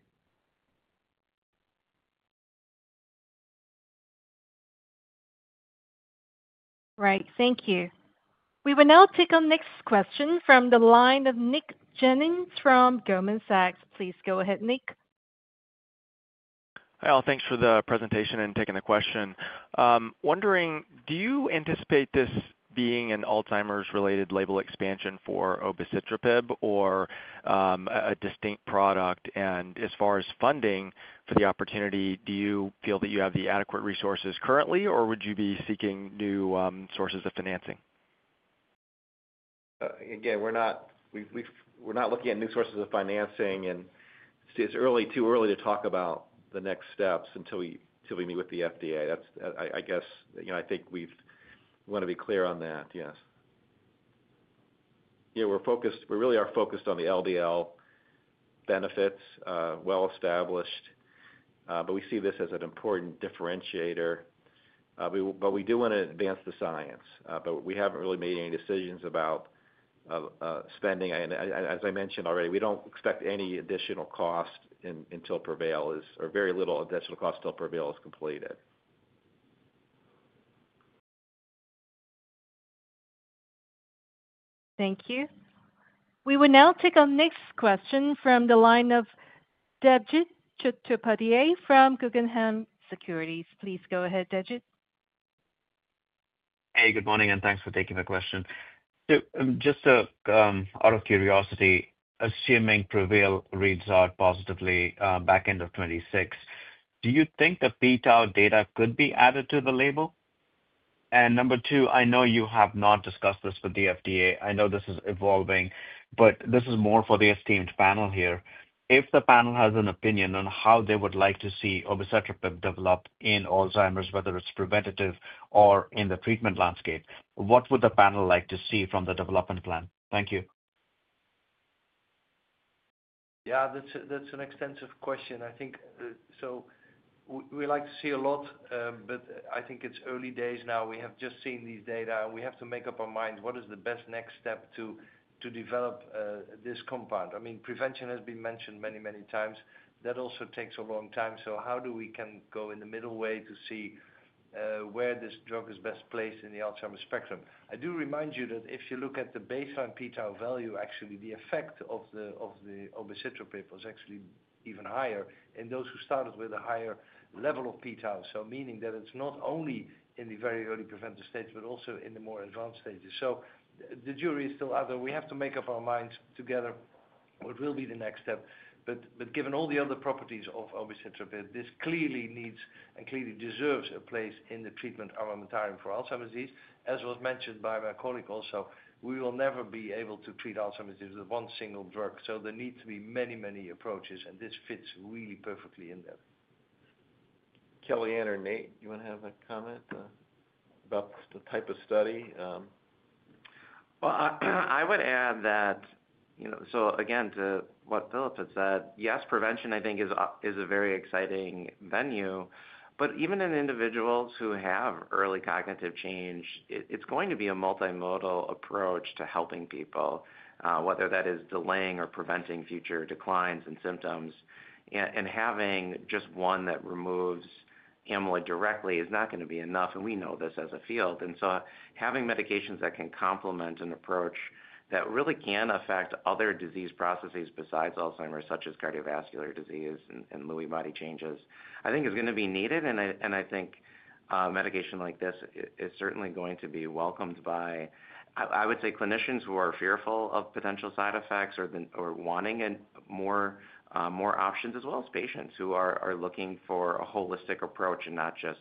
Right. Thank you. We will now take our next question from the line of Nick Jennings from Goldman Sachs. Please go ahead, Nick. Hi, all. Thanks for the presentation and taking the question. I'm wondering, do you anticipate this being an Alzheimer's-related label expansion for obicetrapib or a distinct product? As far as funding for the opportunity, do you feel that you have the adequate resources currently, or would you be seeking new sources of financing? Again, we're not looking at new sources of financing. It's too early to talk about the next steps until we meet with the FDA. I guess, you know, I think we want to be clear on that. Yes. We really are focused on the LDL benefits, well-established, but we see this as an important differentiator. We do want to advance the science. We haven't really made any decisions about spending. As I mentioned already, we don't expect any additional cost until PREVAIL is or very little additional cost until PREVAIL is completed. Thank you. We will now take our next question from the line of Dejit Choudhury from Guggenheim Securities. Please go ahead, Dejit. Hey. Good morning, and thanks for taking the question. Just out of curiosity, assuming PREVAIL reads out positively back end of 2026, do you think the PTL data could be added to the label? Number two, I know you have not discussed this with the FDA. I know this is evolving, but this is more for the esteemed panel here. If the panel has an opinion on how they would like to see obicetrapib develop in Alzheimer's, whether it's preventative or in the treatment landscape, what would the panel like to see from the development plan? Thank you. Yeah. That's an extensive question. I think we like to see a lot, but I think it's early days now. We have just seen these data, and we have to make up our minds what is the best next step to develop this compound. Prevention has been mentioned many, many times. That also takes a long time. How do we go in the middle way to see where this drug is best placed in the Alzheimer's spectrum? I do remind you that if you look at the baseline PTL value, actually, the effect of the obicetrapib was actually even higher in those who started with a higher level of PTL. Meaning that it's not only in the very early preventive stage but also in the more advanced stages. The jury is still out there. We have to make up our minds together what will be the next step. Given all the other properties of obicetrapib, this clearly needs and clearly deserves a place in the treatment armamentarium for Alzheimer's disease. As was mentioned by my colleague also, we will never be able to treat Alzheimer's disease with one single drug. There needs to be many, many approaches, and this fits really perfectly in there. Kellyann or Nate, do you want to have a comment about the type of study? I would add that, you know, to what Philip had said, yes, prevention, I think, is a very exciting venue. Even in individuals who have early cognitive change, it's going to be a multimodal approach to helping people, whether that is delaying or preventing future declines and symptoms. Having just one that removes amyloid directly is not going to be enough. We know this as a field. Having medications that can complement an approach that really can affect other disease processes besides Alzheimer's, such as cardiovascular disease and Lewy body changes, I think is going to be needed. I think medication like this is certainly going to be welcomed by, I would say, clinicians who are fearful of potential side effects or wanting more options, as well as patients who are looking for a holistic approach and not just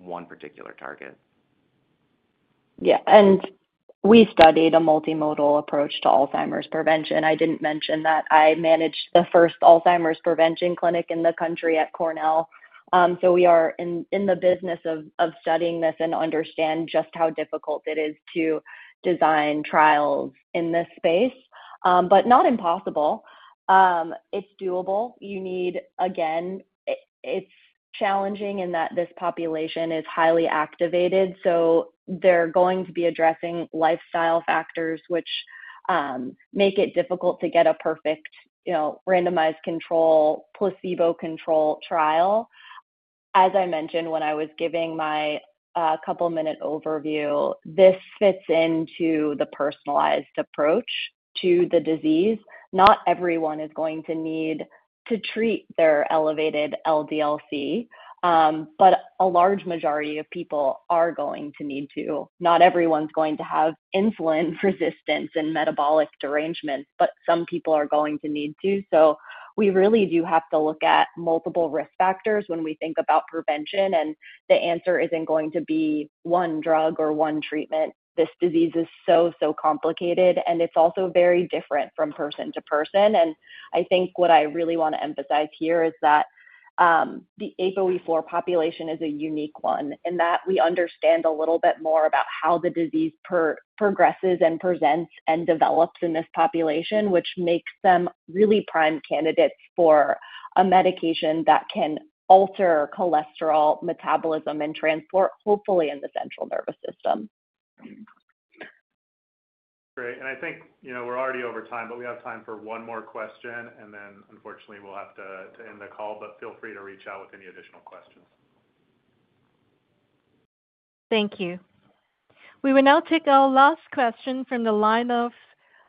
one particular target. Yeah. We studied a multimodal approach to Alzheimer's prevention. I didn't mention that. I managed the first Alzheimer's prevention clinic in the country at Weill Cornell. We are in the business of studying this and understand just how difficult it is to design trials in this space, but not impossible. It's doable. You need, again, it's challenging in that this population is highly activated. They're going to be addressing lifestyle factors, which make it difficult to get a perfect, you know, randomized control, placebo control trial. As I mentioned when I was giving my couple-minute overview, this fits into the personalized approach to the disease. Not everyone is going to need to treat their elevated LDL-C, but a large majority of people are going to need to. Not everyone's going to have insulin resistance and metabolic derangements, but some people are going to need to. We really do have to look at multiple risk factors when we think about prevention. The answer isn't going to be one drug or one treatment. This disease is so, so complicated, and it's also very different from person to person. I think what I really want to emphasize here is that the APOE4 population is a unique one in that we understand a little bit more about how the disease progresses and presents and develops in this population, which makes them really prime candidates for a medication that can alter cholesterol metabolism and transport, hopefully, in the central nervous system. Great. I think we're already over time, but we have time for one more question. Unfortunately, we'll have to end the call. Feel free to reach out with any additional questions. Thank you. We will now take our last question from the line of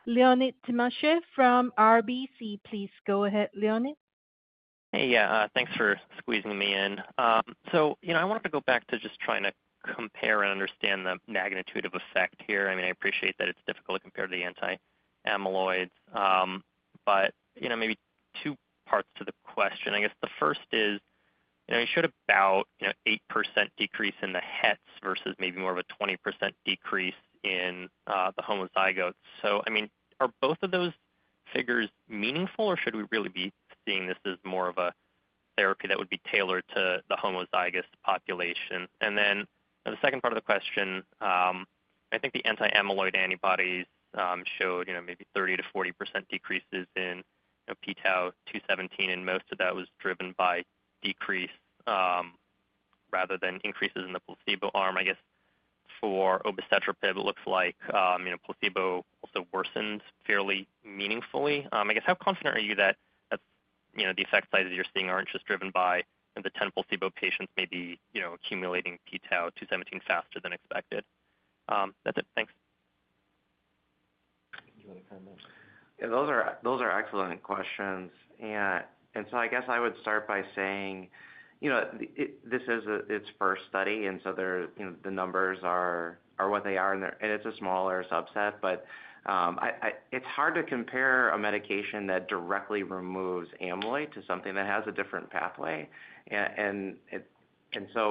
Leonid Tymoshchenko from RBC. Please go ahead, Leonid. Hey. Yeah. Thanks for squeezing me in. I wanted to go back to just trying to compare and understand the magnitude of effect here. I appreciate that it's difficult to compare to the anti-amyloid therapies. Maybe two parts to the question. I guess the first is you showed about an 8% decrease in the HETs versus maybe more of a 20% decrease in the homozygotes. Are both of those figures meaningful, or should we really be seeing this as more of a therapy that would be tailored to the homozygous population? The second part of the question, I think the anti-amyloid antibodies showed maybe 30%-40% decreases in PTL217. Most of that was driven by decrease rather than increases in the placebo arm. I guess for obicetrapib, it looks like placebo also worsens fairly meaningfully. How confident are you that the effect sizes you're seeing aren't just driven by the 10 placebo patients maybe accumulating PTL217 faster than expected? That's it. Thanks. Do you want to comment? Yeah. Those are excellent questions. I would start by saying this is its first study, and the numbers are what they are, and it's a smaller subset. It's hard to compare a medication that directly removes amyloid to something that has a different pathway.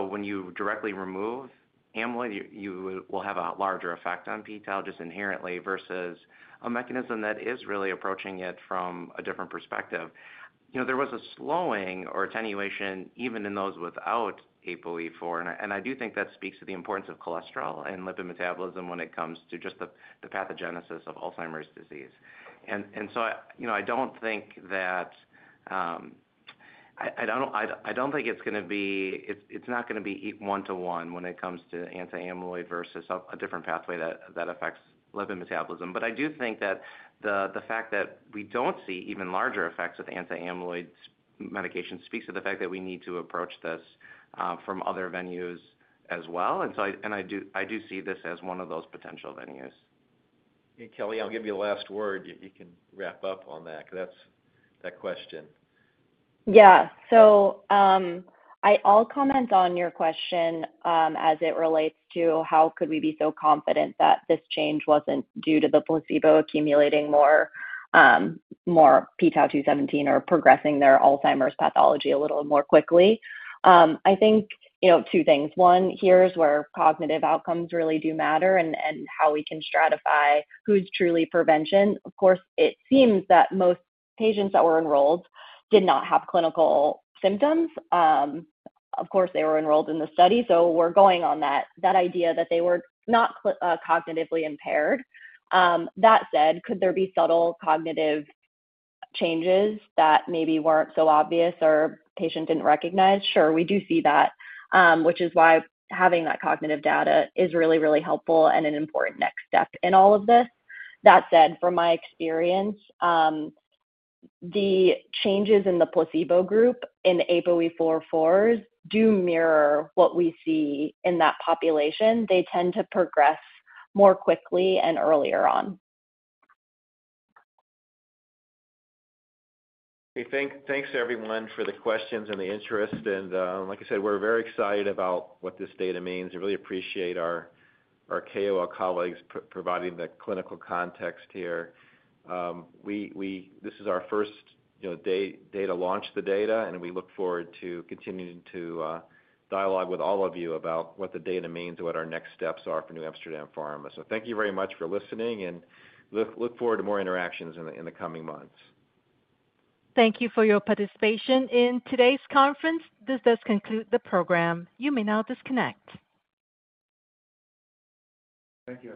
When you directly remove amyloid, you will have a larger effect on PTL just inherently versus a mechanism that is really approaching it from a different perspective. There was a slowing or attenuation even in those without APOE4. I do think that speaks to the importance of cholesterol and lipid metabolism when it comes to the pathogenesis of Alzheimer's disease. I don't think it's going to be one to one when it comes to anti-amyloid versus a different pathway that affects lipid metabolism. think that the fact that we don't see even larger effects of anti-amyloid medication speaks to the fact that we need to approach this from other venues as well. I do see this as one of those potential venues. Kellyann, I'll give you the last word. You can wrap up on that because that's that question. Yeah. I'll comment on your question as it relates to how we could be so confident that this change wasn't due to the placebo accumulating more PTL217 or progressing their Alzheimer's pathology a little more quickly. I think two things. One, here's where cognitive outcomes really do matter and how we can stratify who's truly prevention. Of course, it seems that most patients that were enrolled did not have clinical symptoms. Of course, they were enrolled in the study, so we're going on that idea that they were not cognitively impaired. That said, could there be subtle cognitive changes that maybe weren't so obvious or the patient didn't recognize? Sure, we do see that, which is why having that cognitive data is really, really helpful and an important next step in all of this. That said, from my experience, the changes in the placebo group in the APOE4 homozygotes do mirror what we see in that population. They tend to progress more quickly and earlier on. Okay. Thanks, everyone, for the questions and the interest. Like I said, we're very excited about what this data means. I really appreciate our KOL colleagues providing the clinical context here. This is our first day to launch the data, and we look forward to continuing to dialogue with all of you about what the data means and what our next steps are for NewAmsterdam Pharma. Thank you very much for listening, and look forward to more interactions in the coming months. Thank you for your participation in today's conference. This does conclude the program. You may now disconnect. Thank you.